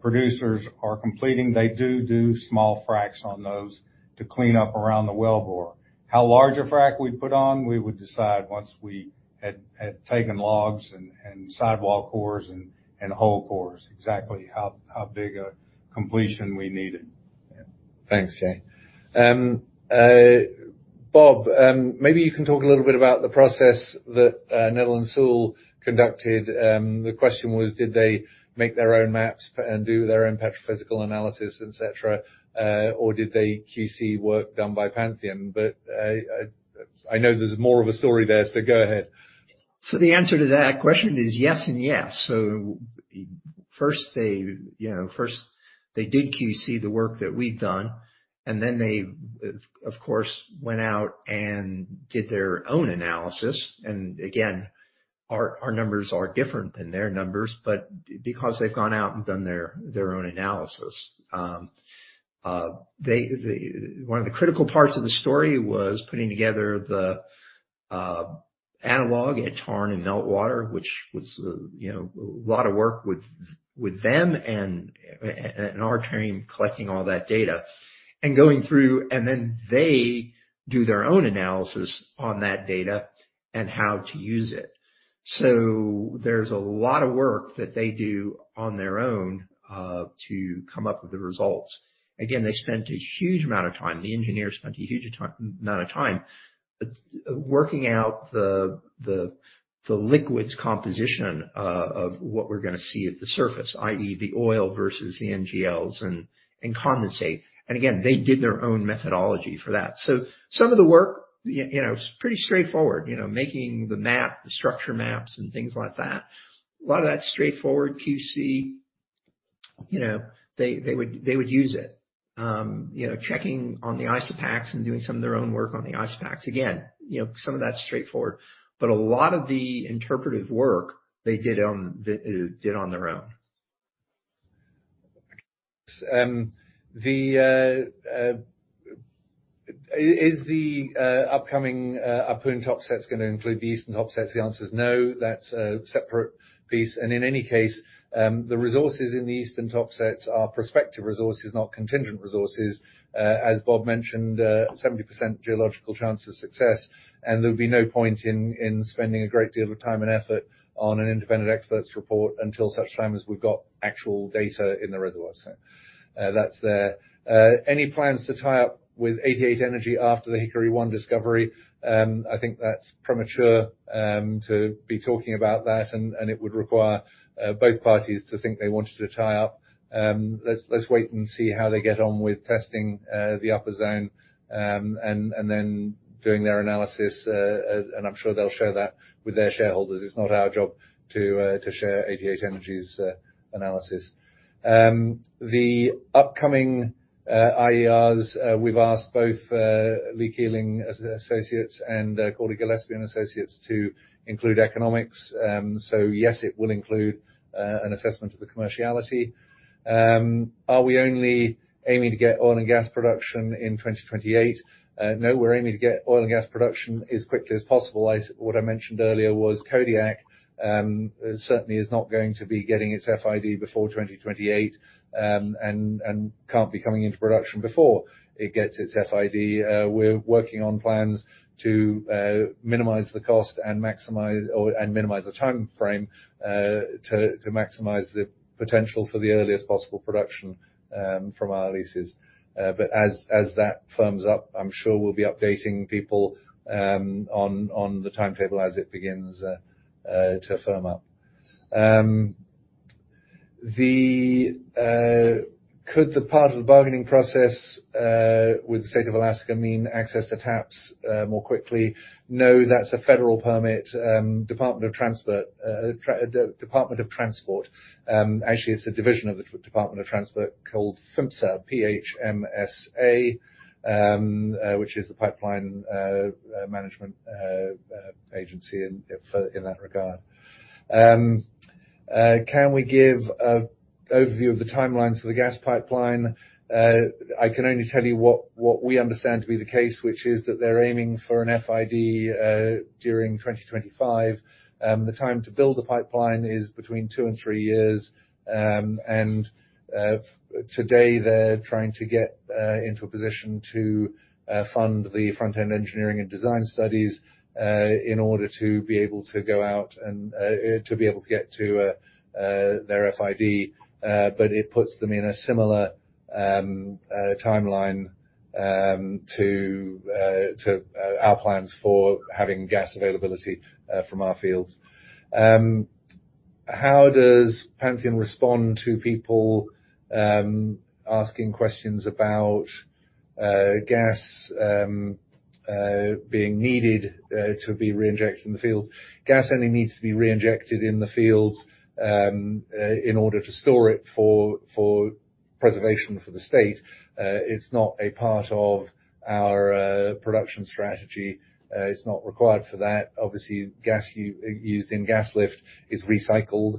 producers are completing, they do small fracs on those to clean up around the wellbore. How large a frack we'd put on, we would decide once we had taken logs and sidewall cores and whole cores, exactly how big a completion we needed. Thanks, Jay. Bob, maybe you can talk a little bit about the process that Netherland and Sewell conducted. The question was, did they make their own maps and do their own petrophysical analysis, et cetera, or did they QC work done by Pantheon? I know there's more of a story there, so go ahead. The answer to that question is yes and yes. First they did QC the work that we've done, and then they, of course, went out and did their own analysis. Again, our numbers are different than their numbers, but because they've gone out and done their own analysis. One of the critical parts of the story was putting together the analog at Tarn and Meltwater, which was a lot of work with them and our team collecting all that data and going through, and then they do their own analysis on that data and how to use it. There's a lot of work that they do on their own to come up with the results. Again, the engineers spent a huge amount of time working out the liquids composition of what we're gonna see at the surface, i.e., the oil versus the NGLs and condensate. Again, they did their own methodology for that. Some of the work, you know, is pretty straightforward, you know, making the map, the structure maps and things like that. A lot of that straightforward QC, you know, they would use it, you know, checking on the isopachs and doing some of their own work on the isopachs. Again, you know, some of that's straightforward. But a lot of the interpretive work they did on their own. Is the upcoming Ahpun Topsets gonna include the Eastern Topsets? The answer is no. That's a separate piece. In any case, the resources in the Eastern Topsets are prospective resources, not contingent resources. As Bob mentioned, 70% geological chance of success, and there'll be no point in spending a great deal of time and effort on an independent expert's report until such time as we've got actual data in the reservoir. That's there. Any plans to tie up with 88 Energy after the Hickory-1 discovery? I think that's premature to be talking about that, and it would require both parties to think they wanted to tie up. Let's wait and see how they get on with testing the upper zone, and then doing their analysis. I'm sure they'll share that with their shareholders. It's not our job to share 88 Energy's analysis. The upcoming IERs, we've asked both Lee Keeling & Associates and Cawley, Gillespie & Associates to include economics. Yes, it will include an assessment of the commerciality. Are we only aiming to get oil and gas production in 2028? No, we're aiming to get oil and gas production as quickly as possible. What I mentioned earlier was Kodiak certainly is not going to be getting its FID before 2028, and can't be coming into production before it gets its FID. We're working on plans to minimize the cost and minimize the timeframe to maximize the potential for the earliest possible production from our leases. As that firms up, I'm sure we'll be updating people on the timetable as it begins to firm up. Could the part of the bargaining process with the State of Alaska mean access to TAPS more quickly? No, that's a federal permit. Department of Transportation. Actually, it's a division of the Department of Transportation called PHMSA, P-H-M-S-A, which is the pipeline management agency in that regard. Can we give an overview of the timelines for the gas pipeline? I can only tell you what we understand to be the case, which is that they're aiming for an FID during 2025. The time to build the pipeline is between two and three years. Today they're trying to get into a position to fund the front-end engineering and design studies in order to be able to go out and to be able to get to their FID. It puts them in a similar timeline to our plans for having gas availability from our fields. How does Pantheon respond to people asking questions about gas being needed to be reinjected in the fields? Gas only needs to be reinjected in the fields in order to store it for preservation for the state. It's not a part of our production strategy. It's not required for that. Obviously, gas used in gas lift is recycled,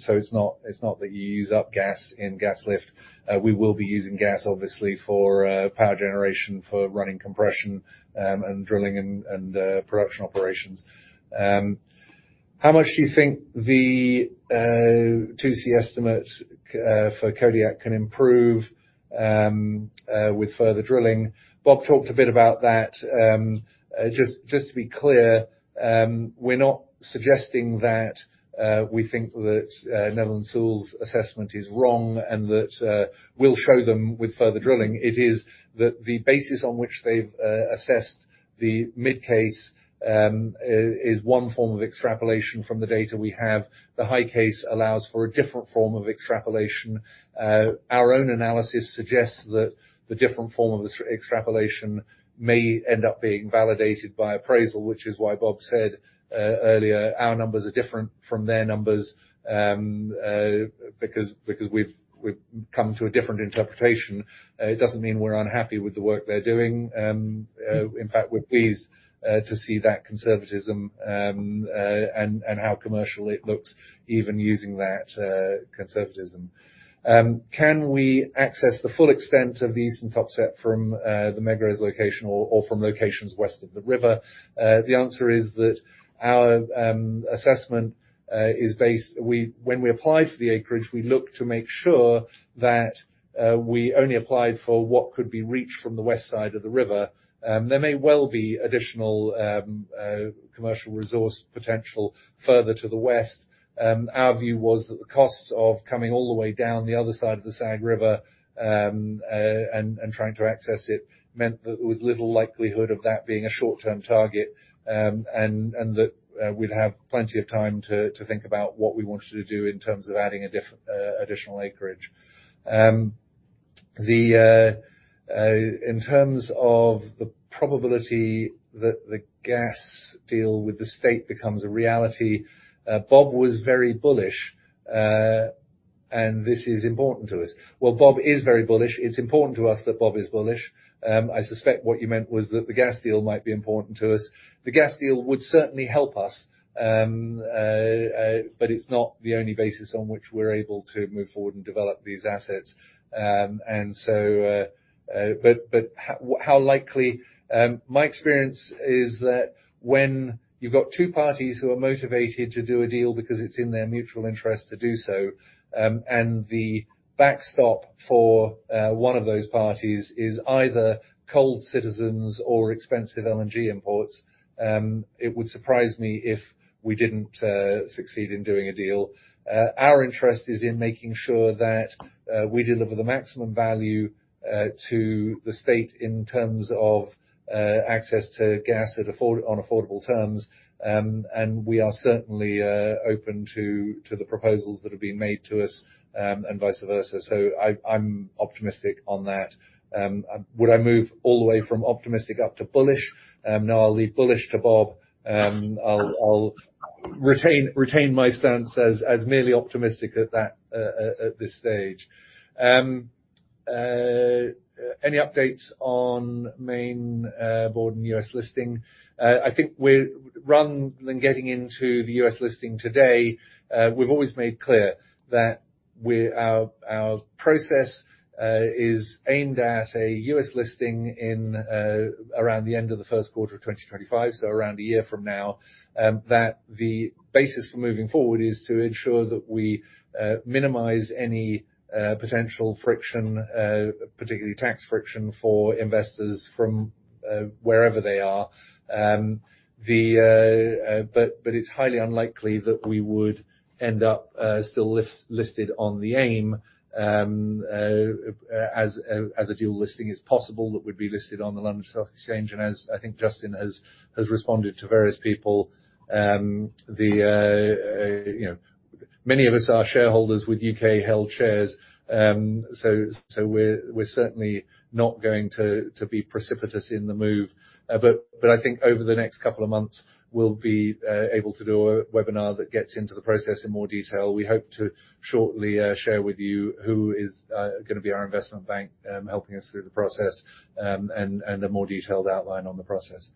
so it's not that you use up gas in gas lift. We will be using gas obviously for power generation, for running compression, and drilling and production operations. How much do you think the 2C estimate for Kodiak can improve with further drilling? Bob talked a bit about that. Just to be clear, we're not suggesting that we think that Netherland, Sewell & Associates' assessment is wrong and that we'll show them with further drilling. It is that the basis on which they've assessed the mid case is one form of extrapolation from the data we have. The high case allows for a different form of extrapolation. Our own analysis suggests that the different form of extrapolation may end up being validated by appraisal, which is why Bob said earlier, our numbers are different from their numbers, because we've come to a different interpretation. It doesn't mean we're unhappy with the work they're doing. In fact, we're pleased to see that conservatism, and how commercial it looks even using that conservatism. Can we access the full extent of the Eastern Topsets from the Megrez location or from locations west of the river? The answer is that our assessment is based when we applied for the acreage, we looked to make sure that we only applied for what could be reached from the west side of the river. There may well be additional commercial resource potential further to the west. Our view was that the costs of coming all the way down the other side of the Sagavanirktok River and trying to access it meant that there was little likelihood of that being a short-term target, and that we'd have plenty of time to think about what we wanted to do in terms of adding additional acreage. In terms of the probability that the gas deal with the state becomes a reality, Bob was very bullish, and this is important to us. Well, Bob is very bullish. It's important to us that Bob is bullish. I suspect what you meant was that the gas deal might be important to us. The gas deal would certainly help us, but it's not the only basis on which we're able to move forward and develop these assets. My experience is that when you've got two parties who are motivated to do a deal because it's in their mutual interest to do so, and the backstop for one of those parties is either coal, diesel or expensive LNG imports, it would surprise me if we didn't succeed in doing a deal. Our interest is in making sure that we deliver the maximum value to the state in terms of access to gas at affordable terms. We are certainly open to the proposals that have been made to us, and vice versa. I'm optimistic on that. Would I move all the way from optimistic up to bullish? No, I'll leave bullish to Bob. I'll retain my stance as merely optimistic at that, at this stage. Any updates on main board and U.S. listing? I think rather than getting into the U.S. listing today, we've always made clear that our process is aimed at a U.S. listing in around the end of the first quarter of 2025, so around a year from now. That the basis for moving forward is to ensure that we minimize any potential friction, particularly tax friction for investors from wherever they are. It's highly unlikely that we would end up still listed on the AIM, as a dual listing is possible that would be listed on the London Stock Exchange, and as I think Justin has responded to various people, you know, many of us are shareholders with U.K. held shares. We're certainly not going to be precipitous in the move. I think over the next couple of months, we'll be able to do a webinar that gets into the process in more detail. We hope to shortly share with you who is gonna be our investment bank helping us through the process, and a more detailed outline on the process.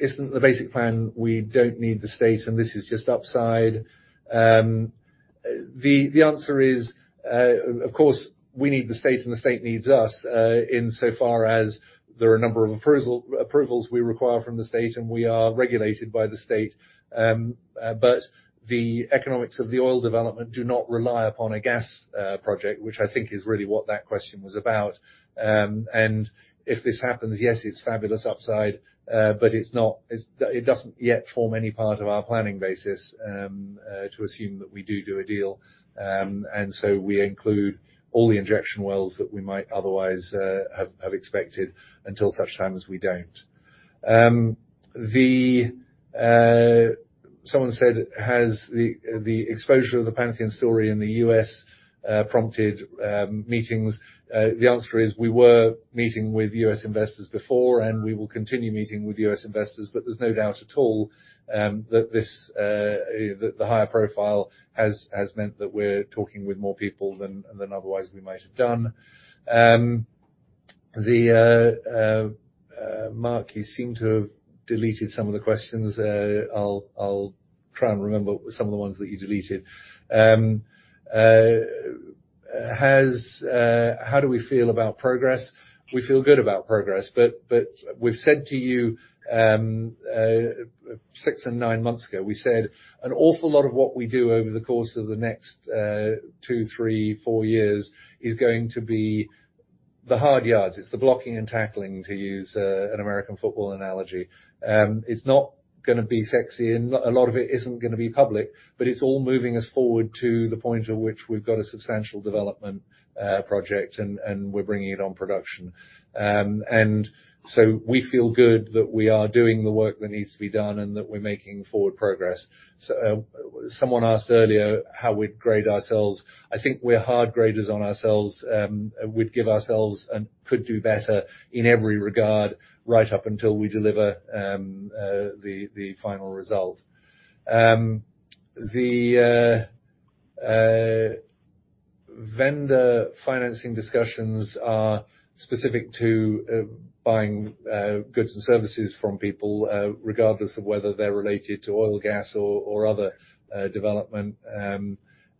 Isn't the basic plan we don't need the state and this is just upside? The answer is, of course we need the state and the state needs us, in so far as there are a number of appraisal approvals we require from the state, and we are regulated by the state. The economics of the oil development do not rely upon a gas project, which I think is really what that question was about. If this happens, yes, it's fabulous upside, but it's not, it doesn't yet form any part of our planning basis to assume that we do a deal. We include all the injection wells that we might otherwise have expected until such time as we don't. Someone said, "Has the exposure of the Pantheon story in the U.S. prompted meetings?" The answer is we were meeting with U.S. investors before, and we will continue meeting with U.S. investors, but there's no doubt at all that this, the higher profile has meant that we're talking with more people than otherwise we might have done. Mark, you seem to have deleted some of the questions. I'll try and remember some of the ones that you deleted. How do we feel about progress? We feel good about progress. We've said to you six and nine months ago, we said an awful lot of what we do over the course of the next two, three, four years is going to be the hard yards. It's the blocking and tackling, to use an American football analogy. It's not gonna be sexy and a lot of it isn't gonna be public, but it's all moving us forward to the point at which we've got a substantial development project and we're bringing it on production. We feel good that we are doing the work that needs to be done and that we're making forward progress. Someone asked earlier how we'd grade ourselves. I think we're hard graders on ourselves. We'd give ourselves and could do better in every regard right up until we deliver the final result. The vendor financing discussions are specific to buying goods and services from people regardless of whether they're related to oil, gas or other development.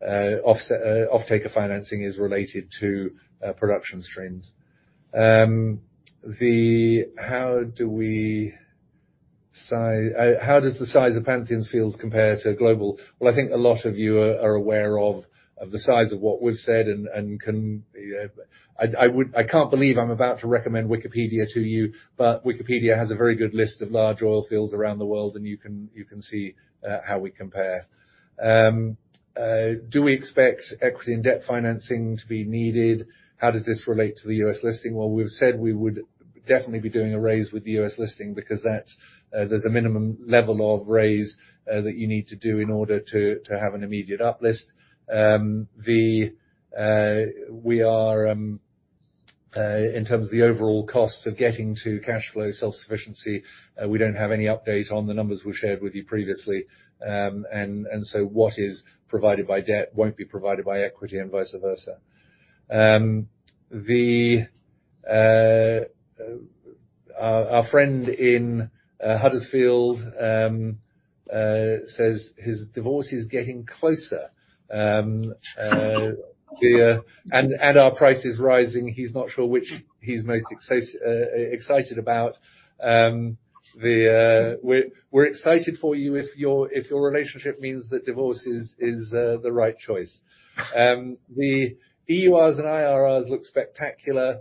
Offtake of financing is related to production streams. How does the size of Pantheon's fields compare to global? Well, I think a lot of you are aware of the size of what we've said and can. I can't believe I'm about to recommend Wikipedia to you, but Wikipedia has a very good list of large oil fields around the world, and you can see how we compare. Do we expect equity and debt financing to be needed? How does this relate to the U.S. listing? Well, we've said we would definitely be doing a raise with the U.S. listing because that's, there's a minimum level of raise that you need to do in order to have an immediate uplist. We are in terms of the overall costs of getting to cash flow self-sufficiency. We don't have any update on the numbers we've shared with you previously. What is provided by debt won't be provided by equity and vice versa. Our friend in Huddersfield says his divorce is getting closer, and our price is rising. He's not sure which he's most excited about. We're excited for you if your relationship means that divorce is the right choice. The EURs and IRRs look spectacular.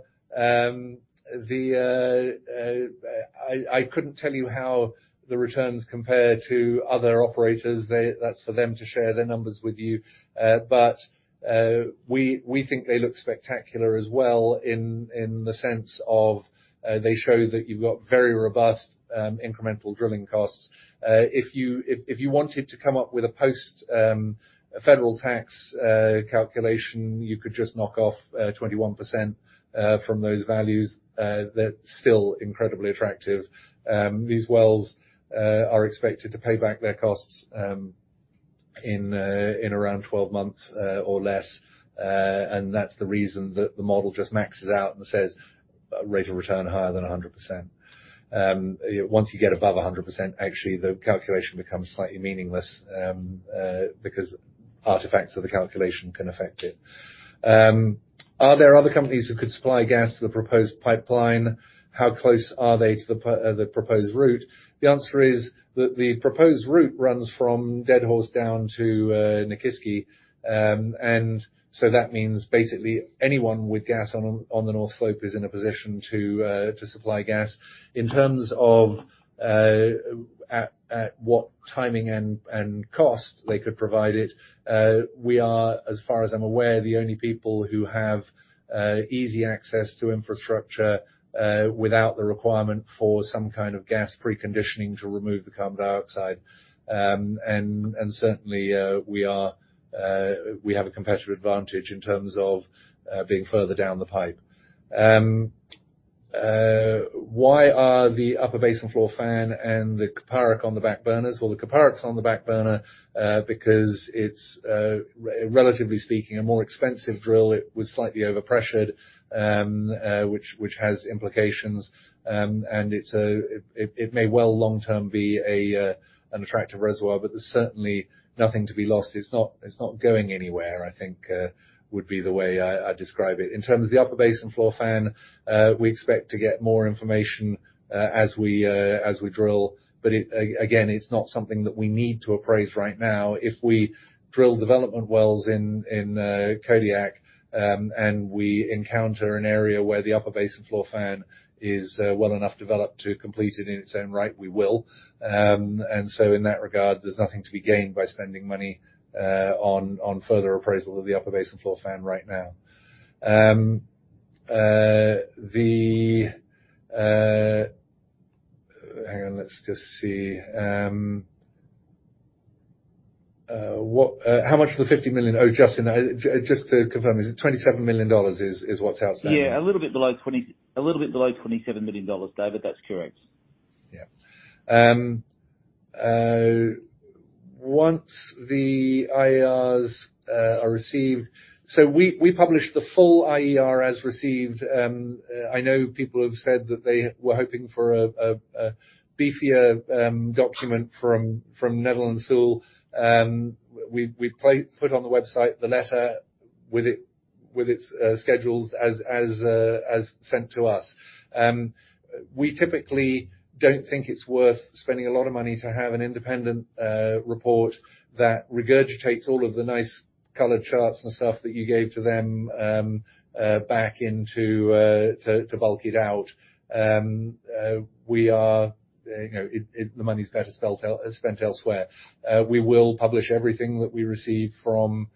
I couldn't tell you how the returns compare to other operators. That's for them to share their numbers with you. We think they look spectacular as well in the sense of they show that you've got very robust incremental drilling costs. If you wanted to come up with a post federal tax calculation, you could just knock off 21% from those values. They're still incredibly attractive. These wells are expected to pay back their costs in around 12 months or less. That's the reason that the model just maxes out and says rate of return higher than 100%. Once you get above 100%, actually, the calculation becomes slightly meaningless because artifacts of the calculation can affect it. Are there other companies who could supply gas to the proposed pipeline? How close are they to the proposed route? The answer is that the proposed route runs from Deadhorse down to Nikiski. That means basically anyone with gas on the North Slope is in a position to supply gas. In terms of at what timing and cost they could provide it, we are, as far as I'm aware, the only people who have easy access to infrastructure without the requirement for some kind of gas preconditioning to remove the carbon dioxide. Certainly we have a competitive advantage in terms of being further down the pipe. Why are the Upper Basin Floor Fan and the Kuparuk on the back burners? Well, the Kuparuk's on the back burner because it's relatively speaking a more expensive drill. It was slightly overpressured, which has implications. It may well long-term be an attractive reservoir, but there's certainly nothing to be lost. It's not going anywhere, I think, would be the way I describe it. In terms of the Upper Basin Floor Fan, we expect to get more information as we drill. But again, it's not something that we need to appraise right now. If we drill development wells in Kodiak, and we encounter an area where the Upper Basin Floor Fan is well enough developed to complete it in its own right, we will. In that regard, there's nothing to be gained by spending money on further appraisal of the Upper Basin Floor Fan right now. Hang on. Let's just see. What, how much of the 50 million? Oh, Justin, just to confirm, is it GBP 27 million is what's outstanding? Yeah, a little bit below GBP 27 million, David. That's correct. Once the IARs are received, we publish the full IER as received. I know people have said that they were hoping for a beefier document from Netherland, Sewell. We put on the website the letter with it, with its schedules as sent to us. We typically don't think it's worth spending a lot of money to have an independent report that regurgitates all of the nice colored charts and stuff that you gave to them back into it to bulk it out. We are, you know, the money's better spent elsewhere. We will publish everything that we receive from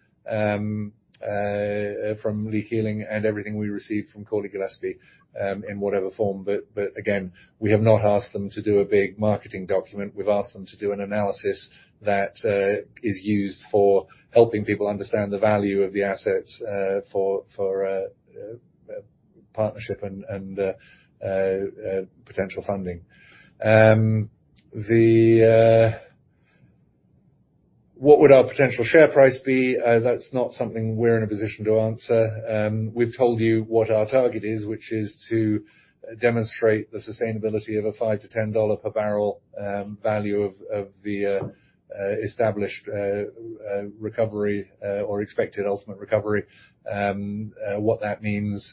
Lee Keeling and everything we receive from Cawley, Gillespie in whatever form. Again, we have not asked them to do a big marketing document. We've asked them to do an analysis that is used for helping people understand the value of the assets, for partnership and potential funding. What would our potential share price be? That's not something we're in a position to answer. We've told you what our target is, which is to demonstrate the sustainability of a GBP 5-GBP 10 per barrel value of the established recovery or expected ultimate recovery. What that means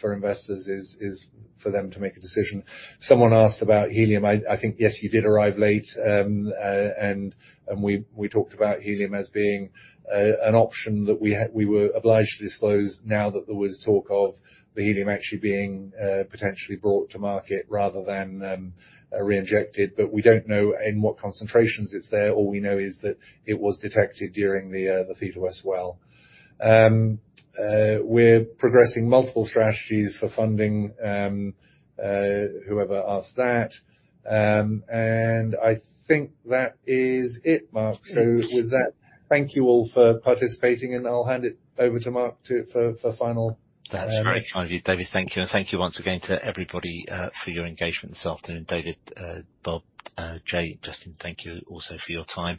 for investors is for them to make a decision. Someone asked about helium. I think yes, you did arrive late, and we talked about helium as being an option that we were obliged to disclose now that there was talk of the helium actually being potentially brought to market rather than reinjected. We don't know in what concentrations it's there. All we know is that it was detected during the Theta West well. We're progressing multiple strategies for funding, whoever asked that. I think that is it, Mark. With that, thank you all for participating, and I'll hand it over to Mark for final. That's very kind of you, David. Thank you. Thank you once again to everybody for your engagement this afternoon. David, Bob, Jay, Justin, thank you also for your time.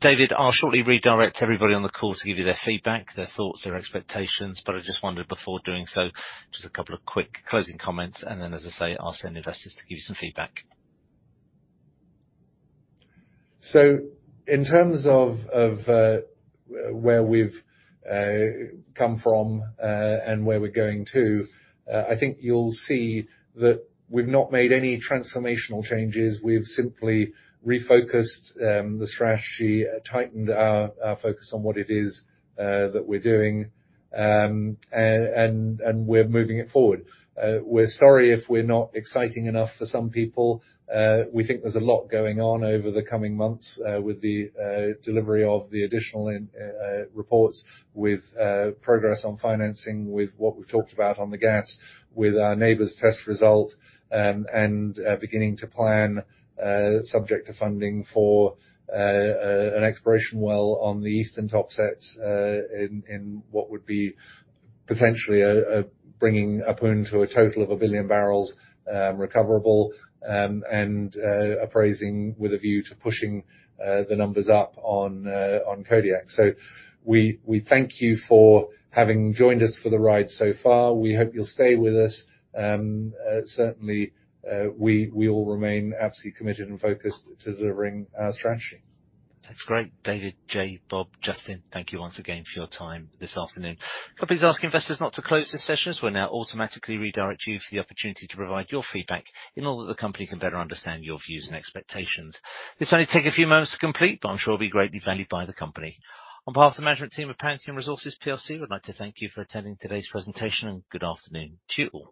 David, I'll shortly redirect everybody on the call to give you their feedback, their thoughts, their expectations. I just wondered, before doing so, just a couple of quick closing comments, and then, as I say, I'll send investors to give you some feedback. In terms of where we've come from and where we're going to, I think you'll see that we've not made any transformational changes. We've simply refocused the strategy, tightened our focus on what it is that we're doing. We're moving it forward. We're sorry if we're not exciting enough for some people. We think there's a lot going on over the coming months, with the delivery of the additional independent reports, with progress on financing with what we've talked about on the gas, with our neighbors test result, and beginning to plan, subject to funding for an exploration well on the eastern Topsets, in what would be potentially bringing up into a total of one billion barrels, recoverable, and appraising with a view to pushing the numbers up on Kodiak. We thank you for having joined us for the ride so far. We hope you'll stay with us. Certainly, we all remain absolutely committed and focused to delivering our strategy. That's great. David, Jay, Bob, Justin, thank you once again for your time this afternoon. Could I please ask investors not to close this session, as we'll now automatically redirect you for the opportunity to provide your feedback in order that the company can better understand your views and expectations. This only take a few moments to complete, but I'm sure it'll be greatly valued by the company. On behalf of the management team of Pantheon Resources PLC, we'd like to thank you for attending today's presentation, and good afternoon to you all.